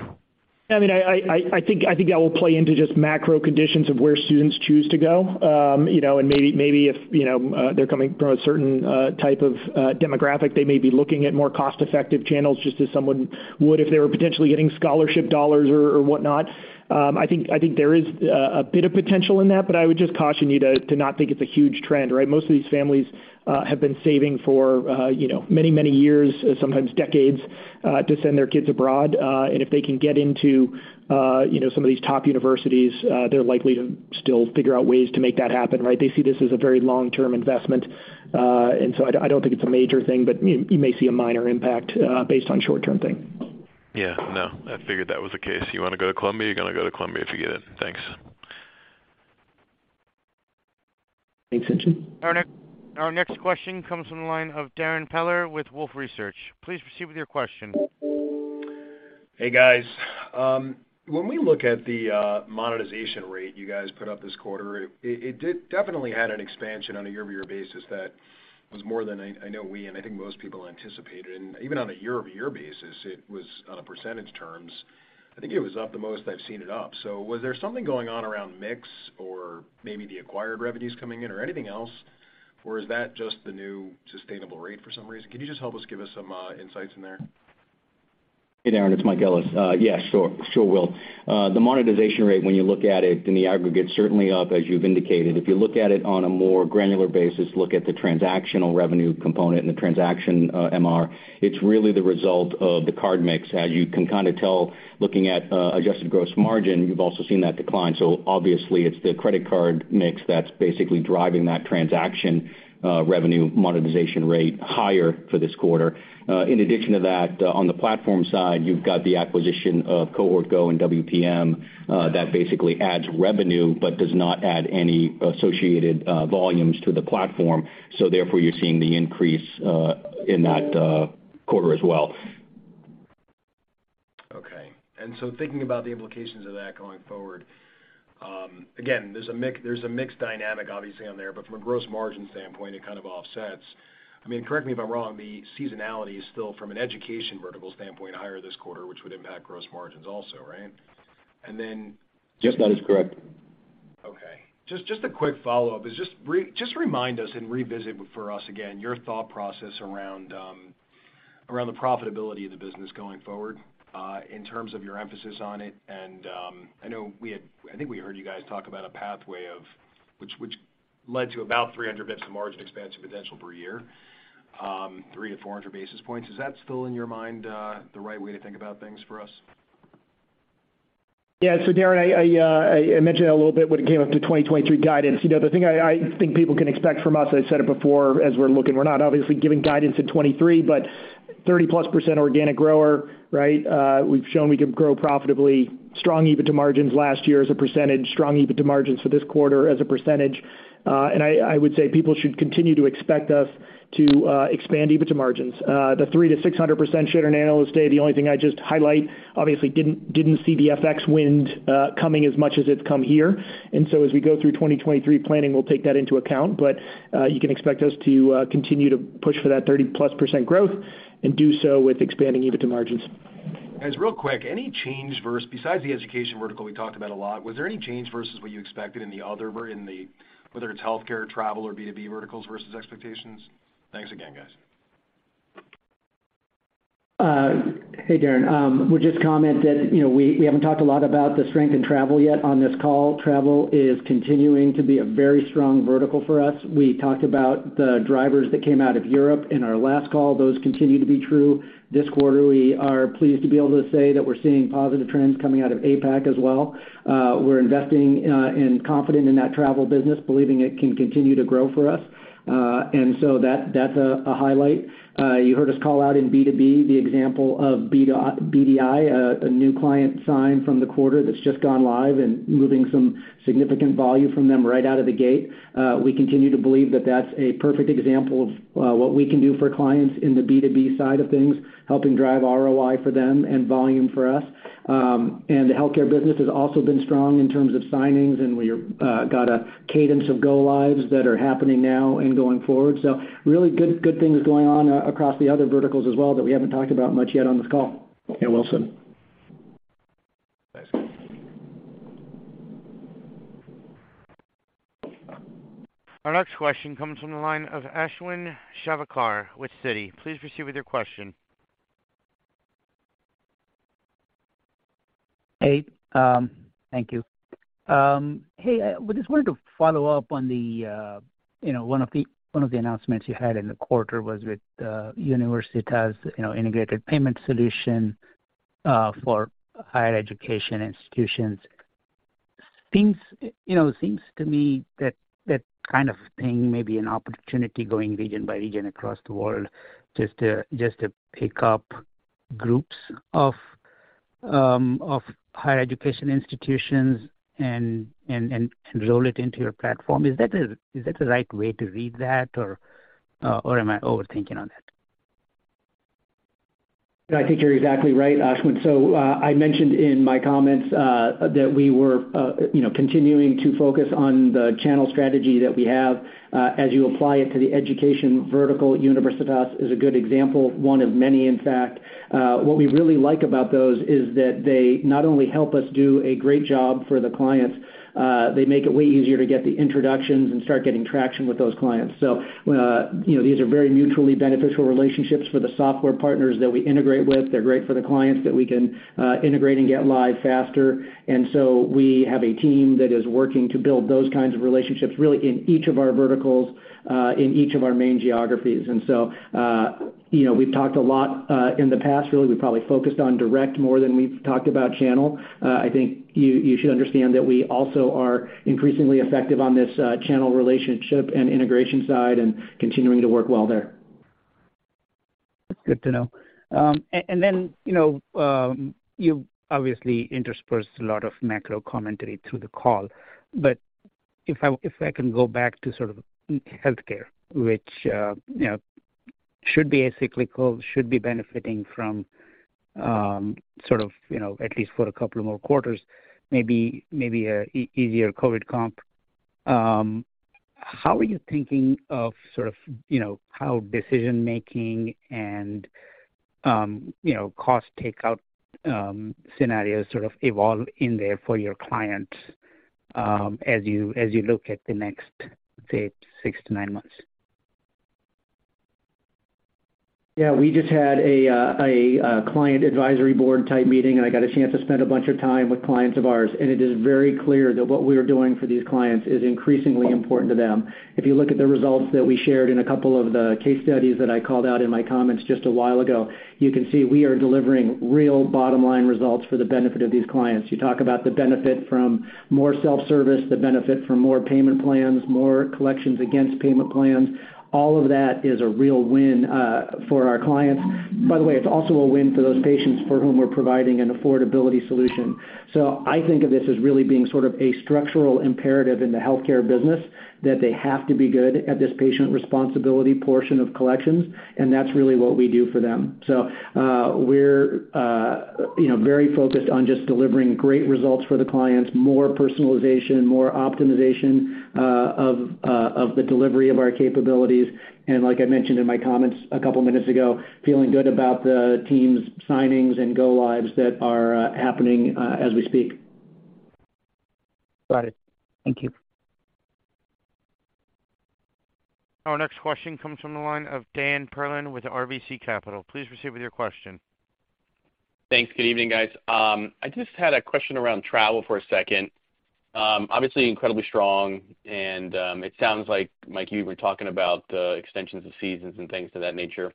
I mean, I think that will play into just macro conditions of where students choose to go. You know, and maybe if, you know, they're coming from a certain type of demographic, they may be looking at more cost-effective channels, just as someone would if they were potentially getting scholarship dollars or whatnot. I think there is a bit of potential in that, but I would just caution you to not think it's a huge trend, right? Most of these families have been saving for you know, many years, sometimes decades, to send their kids abroad. If they can get into you know, some of these top universities, they're likely to still figure out ways to make that happen, right? They see this as a very long-term investment. I don't think it's a major thing, but you may see a minor impact, based on short-term thing. Yeah, no, I figured that was the case. You wanna go to Columbia, you're gonna go to Columbia if you get in. Thanks. Thanks, Tien-Tsin Huang. Our next question comes from the line of Darrin Peller with Wolfe Research. Please proceed with your question. Hey, guys. When we look at the monetization rate you guys put up this quarter, it did definitely had an expansion on a year-over-year basis that was more than I know we and I think most people anticipated. Even on a year-over-year basis, it was in percentage terms. I think it was up the most I've seen it up. Was there something going on around mix or maybe the acquired revenues coming in or anything else? Or is that just the new sustainable rate for some reason? Can you just help us give us some insights in there? Hey, Darrin, it's Mike Ellis. Yeah, sure, Will. The monetization rate when you look at it in the aggregate, certainly up as you've indicated. If you look at it on a more granular basis, look at the transactional revenue component and the transactional MR, it's really the result of the card mix. As you can kind of tell, looking at Adjusted Gross Margin, you've also seen that decline. Obviously it's the credit card mix that's basically driving that transaction revenue monetization rate higher for this quarter. In addition to that, on the platform side, you've got the acquisition of Cohort Go and WPM that basically adds revenue but does not add any associated volumes to the platform. Therefore, you're seeing the increase in that quarter as well. Thinking about the implications of that going forward, again, there's a mixed dynamic obviously on there, but from a gross margin standpoint, it kind of offsets. I mean, correct me if I'm wrong, the seasonality is still from an education vertical standpoint higher this quarter, which would impact gross margins also, right? Yes, that is correct. Just a quick follow-up to remind us and revisit for us again your thought process around the profitability of the business going forward, in terms of your emphasis on it. I think we heard you guys talk about a pathway which led to about 300 basis points of margin expansion potential per year, 300-400 basis points. Is that still in your mind, the right way to think about things for us? Yeah. Darrin, I mentioned that a little bit when it came up to 2023 guidance. You know, the thing I think people can expect from us, I said it before as we're looking, we're not obviously giving guidance in 2023, but 30%+ organic growth, right? We've shown we can grow profitably with strong EBITDA margins last year as a percentage, strong EBITDA margins for this quarter as a percentage. I would say people should continue to expect us to expand EBITDA margins. The 300%-600% at Analyst Day, the only thing I just highlight obviously didn't see the FX headwind coming as much as it's come here. As we go through 2023 planning, we'll take that into account. You can expect us to continue to push for that 30%+ growth and do so with expanding EBITDA margins. Guys, real quick, any change besides the education vertical we talked about a lot, was there any change versus what you expected in the other, whether it's healthcare, travel or B2B verticals versus expectations? Thanks again, guys. Hey, Darrin. Would just comment that, you know, we haven't talked a lot about the strength in travel yet on this call. Travel is continuing to be a very strong vertical for us. We talked about the drivers that came out of Europe in our last call. Those continue to be true this quarter. We are pleased to be able to say that we're seeing positive trends coming out of APAC as well. We're investing and confident in that travel business, believing it can continue to grow for us. That's a highlight. You heard us call out in B2B the example of BDI, a new client sign from the quarter that's just gone live and moving some significant volume from them right out of the gate. We continue to believe that that's a perfect example of what we can do for clients in the B2B side of things, helping drive ROI for them and volume for us. The healthcare business has also been strong in terms of signings, and we got a cadence of go lives that are happening now and going forward. Really good things going on across the other verticals as well that we haven't talked about much yet on this call. Yeah, Darrin Peller. Thanks. Our next question comes from the line of Ashwin Shirvaikar with Citi. Please proceed with your question. Hey, thank you. Hey, I just wanted to follow up on the, you know, one of the announcements you had in the quarter was with Universitas, you know, integrated payment solution for higher education institutions. It seems to me that that kind of thing may be an opportunity going region by region across the world just to pick up groups of higher education institutions and roll it into your platform. Is that the right way to read that or am I overthinking that? I think you're exactly right, Ashwin. I mentioned in my comments that we were, you know, continuing to focus on the channel strategy that we have. As you apply it to the education vertical, Universitas is a good example, one of many, in fact. What we really like about those is that they not only help us do a great job for the clients, they make it way easier to get the introductions and start getting traction with those clients. You know, these are very mutually beneficial relationships for the software partners that we integrate with. They're great for the clients that we can integrate and get live faster. We have a team that is working to build those kinds of relationships, really in each of our verticals, in each of our main geographies. You know, we've talked a lot in the past, really. We probably focused on direct more than we've talked about channel. I think you should understand that we also are increasingly effective on this channel relationship and integration side and continuing to work well there. That's good to know. You know, you obviously interspersed a lot of macro commentary through the call. If I can go back to sort of healthcare, which, you know, should be a cyclical, should be benefiting from, sort of, you know, at least for a couple more quarters, maybe an easier COVID comp. How are you thinking of sort of, you know, how decision-making and, you know, cost takeout, scenarios sort of evolve in there for your clients, as you look at the next, say, six to nine months? Yeah, we just had a client advisory board type meeting, and I got a chance to spend a bunch of time with clients of ours, and it is very clear that what we are doing for these clients is increasingly important to them. If you look at the results that we shared in a couple of the case studies that I called out in my comments just a while ago, you can see we are delivering real bottom-line results for the benefit of these clients. You talk about the benefit from more self-service, the benefit from more payment plans, more collections against payment plans, all of that is a real win for our clients. By the way, it's also a win for those patients for whom we're providing an affordability solution. I think of this as really being sort of a structural imperative in the healthcare business that they have to be good at this patient responsibility portion of collections, and that's really what we do for them. We're, you know, very focused on just delivering great results for the clients, more personalization, more optimization, of the delivery of our capabilities. Like I mentioned in my comments a couple minutes ago, feeling good about the team's signings and go lives that are happening as we speak. Got it. Thank you. Our next question comes from the line of Dan Perlin with RBC Capital Markets. Please proceed with your question. Thanks. Good evening, guys. I just had a question around travel for a second. Obviously incredibly strong, and it sounds like, Mike, you were talking about extensions of seasons and things of that nature.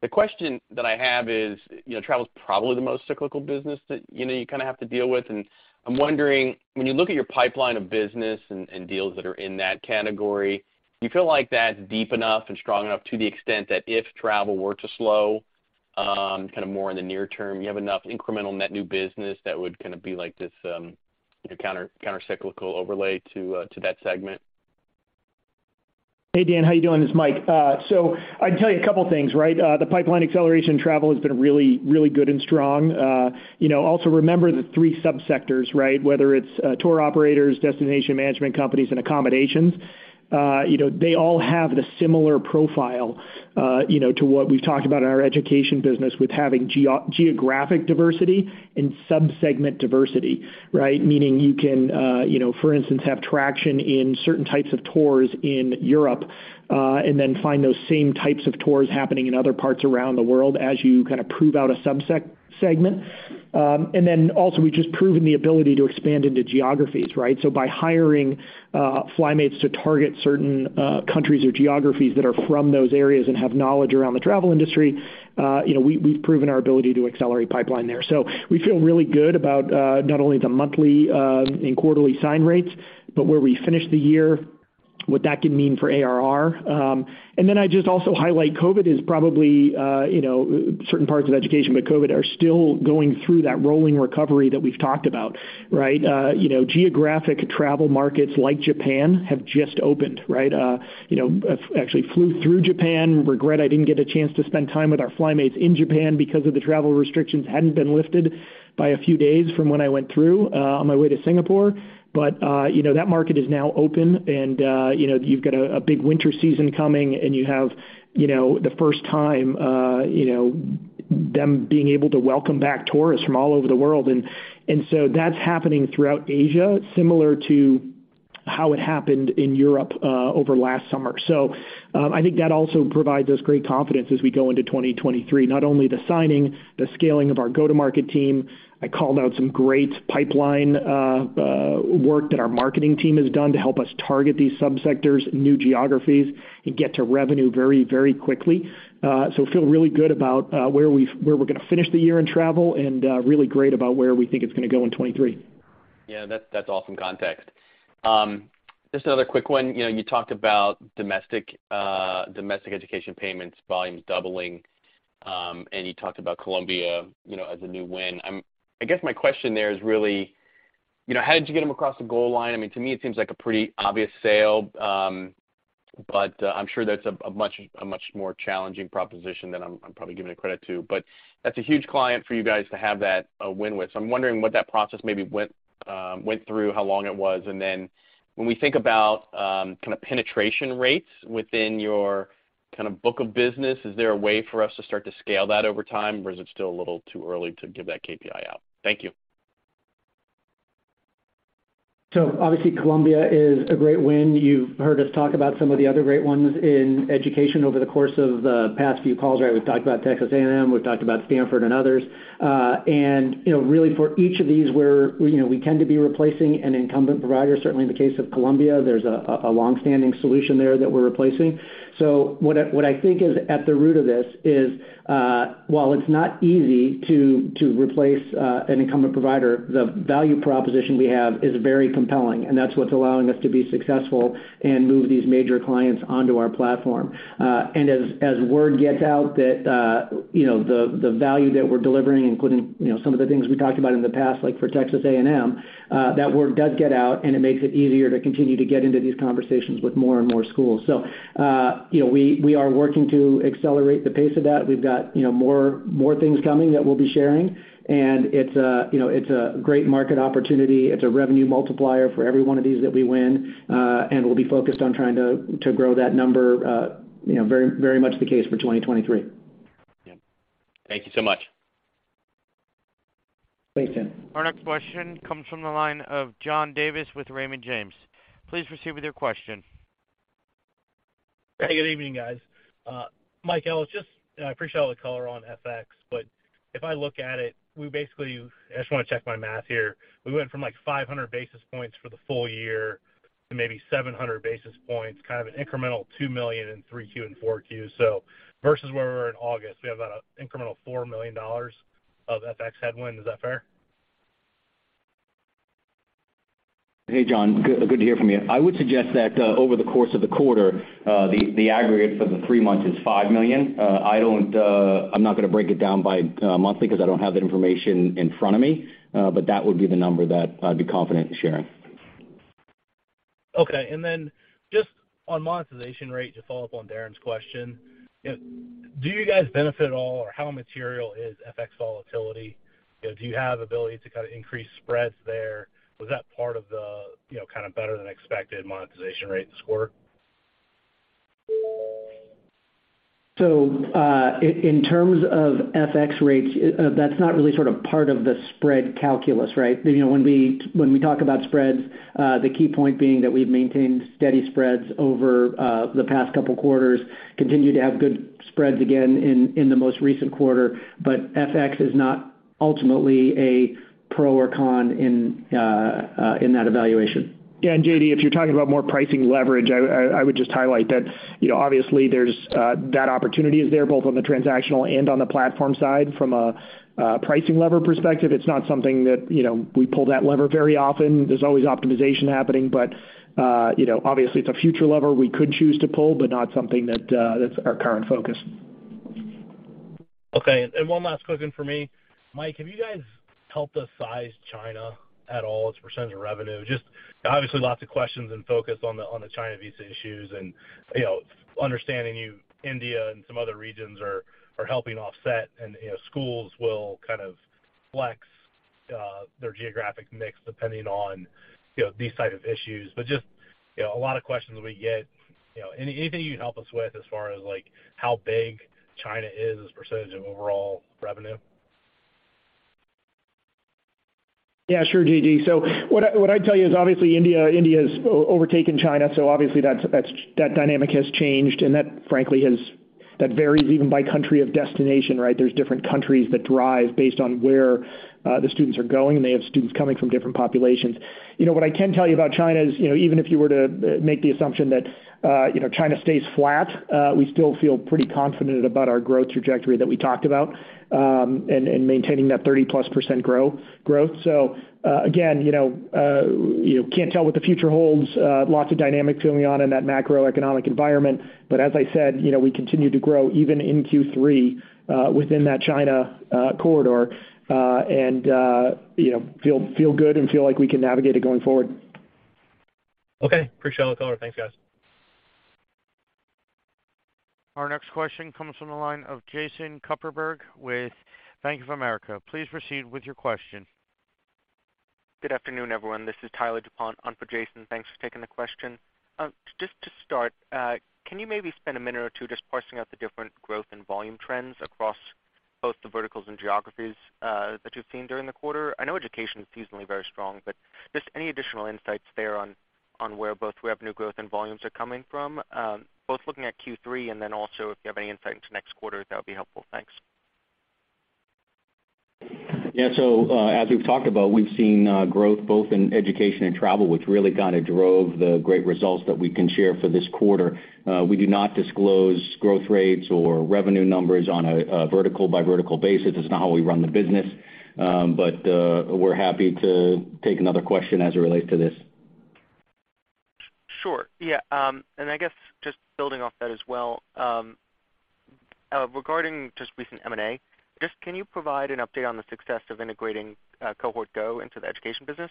The question that I have is, you know, travel is probably the most cyclical business that, you know, you kinda have to deal with. I'm wondering, when you look at your pipeline of business and deals that are in that category, do you feel like that's deep enough and strong enough to the extent that if travel were to slow kind of more in the near term, you have enough incremental net new business that would kind of be like this, you know, countercyclical overlay to that segment? Hey, Dan, how you doing? This is Mike. I'd tell you a couple things, right? The pipeline acceleration in travel has been really good and strong. You know, also remember the three subsectors, right? Whether it's tour operators, destination management companies, and accommodations, you know, they all have the similar profile, you know, to what we've talked about in our education business with having geographic diversity and subsegment diversity, right? Meaning you can, you know, for instance, have traction in certain types of tours in Europe, and then find those same types of tours happening in other parts around the world as you kind of prove out a subsegment. We've just proven the ability to expand into geographies, right? By hiring FlyMates to target certain countries or geographies that are from those areas and have knowledge around the travel industry, we've proven our ability to accelerate pipeline there. We feel really good about not only the monthly and quarterly sign rates, but where we finish the year, what that can mean for ARR. I'd just also highlight COVID is probably certain parts of education with COVID are still going through that rolling recovery that we've talked about, right? Geographic travel markets like Japan have just opened, right? I've actually flew through Japan. Regret I didn't get a chance to spend time with our FlyMates in Japan because of the travel restrictions hadn't been lifted by a few days from when I went through on my way to Singapore. You know, that market is now open and you know, you've got a big winter season coming and you have you know, the first time you know, them being able to welcome back tourists from all over the world. That's happening throughout Asia, similar to how it happened in Europe over last summer. I think that also provides us great confidence as we go into 2023. Not only the signing, the scaling of our go-to-market team. I called out some great pipeline work that our marketing team has done to help us target these subsectors, new geographies, and get to revenue very, very quickly. Feel really good about where we're gonna finish the year in travel and really great about where we think it's gonna go in 2023. Yeah. That's awesome context. Just another quick one. You know, you talked about domestic education payments volumes doubling, and you talked about Columbia, you know, as a new win. I guess my question there is really, you know, how did you get them across the goal line? I mean, to me it seems like a pretty obvious sale. I'm sure that's a much more challenging proposition than I'm probably giving it credit to. That's a huge client for you guys to have that win with. I'm wondering what that process maybe went through, how long it was. When we think about, kind of penetration rates within your kind of book of business, is there a way for us to start to scale that over time, or is it still a little too early to give that KPI out? Thank you. Obviously Columbia is a great win. You've heard us talk about some of the other great ones in education over the course of the past few calls, right? We've talked about Texas A&M, we've talked about Stanford and others. And, you know, really for each of these we're, you know, we tend to be replacing an incumbent provider. Certainly in the case of Columbia, there's a longstanding solution there that we're replacing. What I think is at the root of this is, while it's not easy to replace an incumbent provider, the value proposition we have is very compelling, and that's what's allowing us to be successful and move these major clients onto our platform. As word gets out that, you know, the value that we're delivering, including, you know, some of the things we talked about in the past, like for Texas A&M, that word does get out, and it makes it easier to continue to get into these conversations with more and more schools. You know, we are working to accelerate the pace of that. We've got, you know, more things coming that we'll be sharing. It's a, you know, it's a great market opportunity. It's a revenue multiplier for every one of these that we win. We'll be focused on trying to grow that number, you know, very much the case for 2023. Yeah. Thank you so much. Our next question comes from the line of John Davis with Raymond James. Please proceed with your question. Hey, good evening, guys. Mike, I just appreciate all the color on FX, but if I look at it, I just wanna check my math here. We went from like 500 basis points for the full year to maybe 700 basis points, kind of an incremental $2 million in 3Q and 4Q. Versus where we were in August, we have about an incremental $4 million of FX headwind. Is that fair? Hey, John, good to hear from you. I would suggest that over the course of the quarter, the aggregate for the three months is $5 million. I don't, I'm not gonna break it down by monthly 'cause I don't have that information in front of me, but that would be the number that I'd be confident in sharing. Okay. Just on monetization rate, to follow up on Darrin's question, do you guys benefit at all or how material is FX volatility? Do you have ability to kind of increase spreads there? Was that part of the, you know, kind of better than expected monetization rate this quarter? In terms of FX rates, that's not really sort of part of the spread calculus, right? You know, when we talk about spreads, the key point being that we've maintained steady spreads over the past couple quarters, continue to have good spreads again in the most recent quarter, but FX is not ultimately a pro or con in that evaluation. JD, if you're talking about more pricing leverage, I would just highlight that, you know, obviously there's that opportunity there both on the transactional and on the platform side from a pricing lever perspective. It's not something that, you know, we pull that lever very often. There's always optimization happening, but, you know, obviously it's a future lever we could choose to pull, but not something that's our current focus. Okay. One last question for me. Mike, have you guys helped us size China at all as a percentage of revenue? Just, obviously, lots of questions and focus on the China visa issues and, you know, understanding, you know, India and some other regions are helping offset and, you know, schools will kind of flex their geographic mix depending on, you know, these type of issues. But just, you know, a lot of questions we get, you know. Anything you'd help us with as far as, like, how big China is as a percentage of overall revenue? Yeah, sure, JD. What I'd tell you is obviously India has overtaken China, so obviously that dynamic has changed, and that frankly varies even by country of destination, right? There are different countries that drive based on where the students are going, and they have students coming from different populations. You know, what I can tell you about China is, you know, even if you were to make the assumption that, you know, China stays flat, we still feel pretty confident about our growth trajectory that we talked about, and maintaining that 30%+ growth. Again, you know, you can't tell what the future holds, lots of dynamics going on in that macroeconomic environment. As I said, you know, we continue to grow even in Q3 within that China corridor, and you know, feel good and feel like we can navigate it going forward. Okay. Appreciate all the color. Thanks, guys. Our next question comes from the line of Jason Kupferberg with Bank of America. Please proceed with your question. Good afternoon, everyone. This is Tyler DuPont on for Jason. Thanks for taking the question. Just to start, can you maybe spend a minute or two just parsing out the different growth and volume trends across both the verticals and geographies, that you've seen during the quarter? I know education is seasonally very strong, but just any additional insights there on where both revenue growth and volumes are coming from, both looking at Q3 and then also if you have any insight into next quarter, that would be helpful. Thanks. Yeah. As we've talked about, we've seen growth both in education and travel, which really kinda drove the great results that we can share for this quarter. We do not disclose growth rates or revenue numbers on a vertical by vertical basis. It's not how we run the business. We're happy to take another question as it relates to this. Sure. Yeah. I guess just building off that as well, regarding just recent M&A, just can you provide an update on the success of integrating Cohort Go into the education business?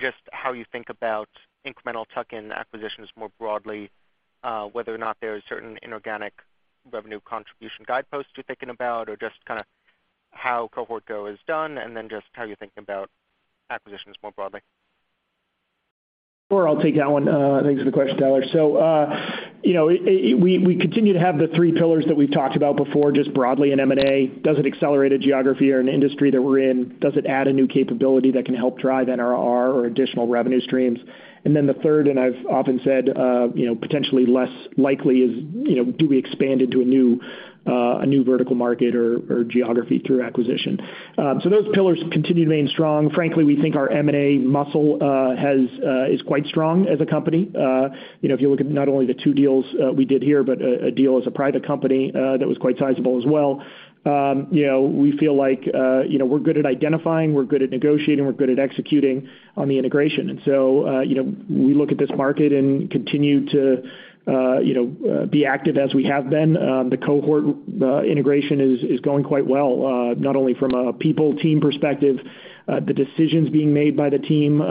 Just how you think about incremental tuck-in acquisitions more broadly, whether or not there are certain inorganic revenue contribution guideposts you're thinking about or just kinda how Cohort Go is done, and then just how you're thinking about acquisitions more broadly. Sure, I'll take that one. Thanks for the question, Tyler. We continue to have the three pillars that we've talked about before, just broadly in M&A. Does it accelerate a geography or an industry that we're in? Does it add a new capability that can help drive NRR or additional revenue streams? And then the third, and I've often said, potentially less likely is, do we expand into a new vertical market or geography through acquisition. Those pillars continue to remain strong. Frankly, we think our M&A muscle is quite strong as a company. If you look at not only the two deals we did here, but a deal as a private company that was quite sizable as well. You know, we feel like, you know, we're good at identifying, we're good at negotiating, we're good at executing on the integration. We look at this market and continue to be active as we have been. The Cohort integration is going quite well, not only from a people team perspective, the decisions being made by the team,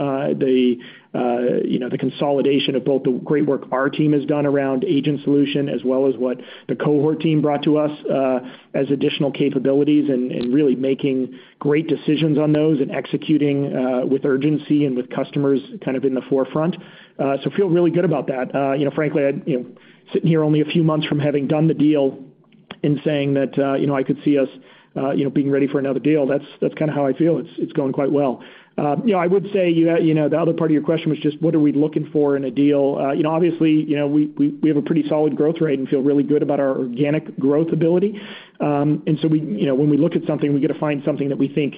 the consolidation of both the great work our team has done around agent solution as well as what the Cohort team brought to us, as additional capabilities and really making great decisions on those and executing, with urgency and with customers kind of in the forefront. Feel really good about that. You know, frankly, I, you know, sitting here only a few months from having done the deal. In saying that, you know, I could see us, you know, being ready for another deal, that's kinda how I feel. It's going quite well. You know, I would say, you know, the other part of your question was just what are we looking for in a deal? You know, obviously, you know, we have a pretty solid growth rate and feel really good about our organic growth ability. We, you know, when we look at something, we gotta find something that we think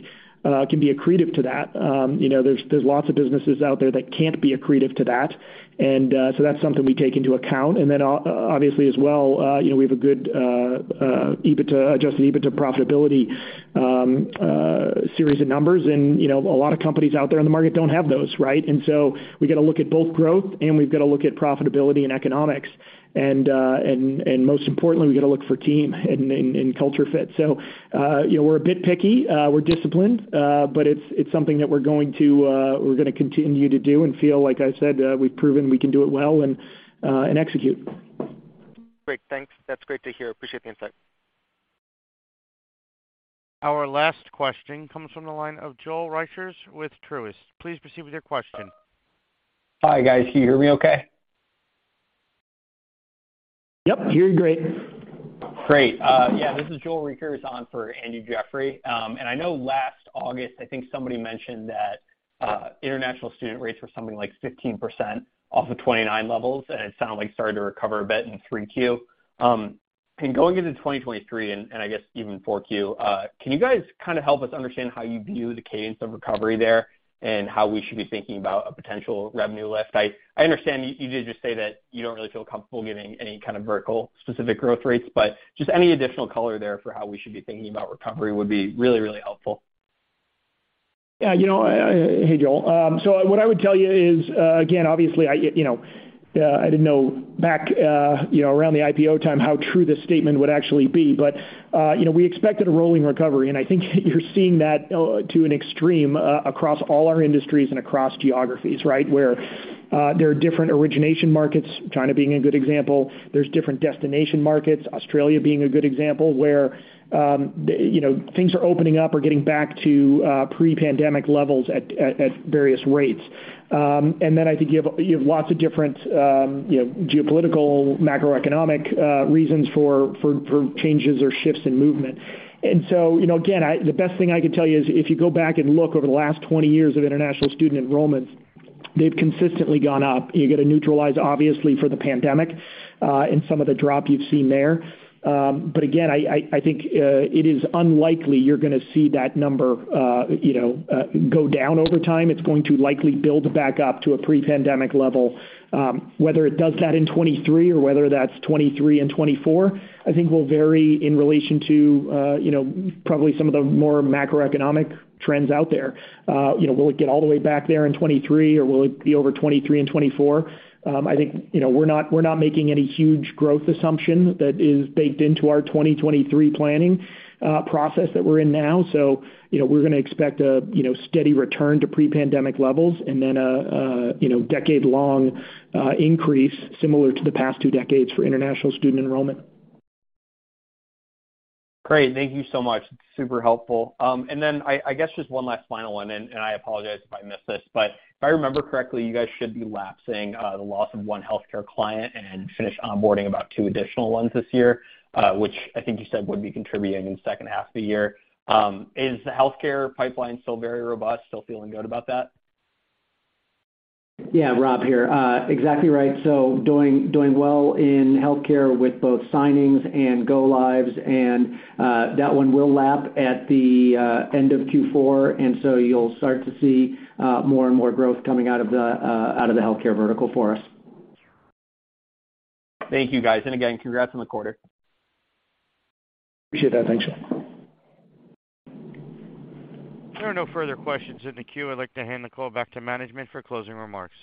can be accretive to that. You know, there's lots of businesses out there that can't be accretive to that. That's something we take into account. Obviously as well, you know, we have a good Adjusted EBITDA profitability series of numbers. You know, a lot of companies out there in the market don't have those, right? We gotta look at both growth, and we've gotta look at profitability and economics. Most importantly, we gotta look for team and culture fit. You know, we're a bit picky, we're disciplined, but it's something that we're gonna continue to do and feel like I said, we've proven we can do it well, and execute. Great. Thanks. That's great to hear. Appreciate the insight. Our last question comes from the line of Joel Riechers with Truist. Please proceed with your question. Hi, guys. Can you hear me okay? Yep, you're great. Great. Yeah, this is Joel Riechers on for Andrew Jeffrey. I know last August, I think somebody mentioned that international student rates were something like 15% off of 29 levels, and it sounded like it started to recover a bit in 3Q. Going into 2023, and I guess even 4Q, can you guys kinda help us understand how you view the cadence of recovery there and how we should be thinking about a potential revenue lift? I understand you did just say that you don't really feel comfortable giving any kind of vertical specific growth rates, but just any additional color there for how we should be thinking about recovery would be really, really helpful. Yeah, you know, hey, Joel. So what I would tell you is, again, obviously, I, you know, I didn't know back, you know, around the IPO time how true this statement would actually be, but, you know, we expected a rolling recovery, and I think you're seeing that especially to an extreme across all our industries and across geographies, right? Where there are different origination markets, China being a good example. There are different destination markets, Australia being a good example, where, you know, things are opening up or getting back to pre-pandemic levels at various rates. And then I think you have lots of different, you know, geopolitical, macroeconomic reasons for changes or shifts in movement. You know, again, I the best thing I can tell you is if you go back and look over the last 20 years of international student enrollments, they've consistently gone up. You gotta neutralize, obviously, for the pandemic, and some of the drop you've seen there. Again, I think it is unlikely you're gonna see that number, you know, go down over time. It's going to likely build back up to a pre-pandemic level. Whether it does that in 2023 or whether that's 2023 and 2024, I think will vary in relation to, you know, probably some of the more macroeconomic trends out there. You know, will it get all the way back there in 2023, or will it be over 2023 and 2024? I think, you know, we're not making any huge growth assumption that is baked into our 2023 planning process that we're in now. You know, we're gonna expect a steady return to pre-pandemic levels and then a decade-long increase similar to the past two decades for international student enrollment. Great. Thank you so much. Super helpful. I guess just one last final one, and I apologize if I missed this, but if I remember correctly, you guys should be lapsing the loss of one healthcare client and finish onboarding about two additional ones this year, which I think you said would be contributing in second half of the year. Is the healthcare pipeline still very robust? Still feeling good about that? Yeah. Rob here. Exactly right. Doing well in healthcare with both signings and go lives, and that one will lap at the end of Q4. You'll start to see more and more growth coming out of the healthcare vertical for us. Thank you, guys. Again, congrats on the quarter. Appreciate that. Thanks, Joel. There are no further questions in the queue. I'd like to hand the call back to management for closing remarks.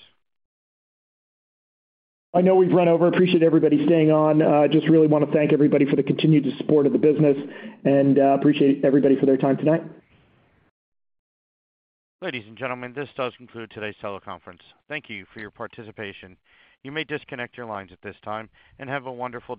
I know we've run over. Appreciate everybody staying on. Just really wanna thank everybody for the continued support of the business and, appreciate everybody for their time tonight. Ladies and gentlemen, this does conclude today's teleconference. Thank you for your participation. You may disconnect your lines at this time, and have a wonderful day.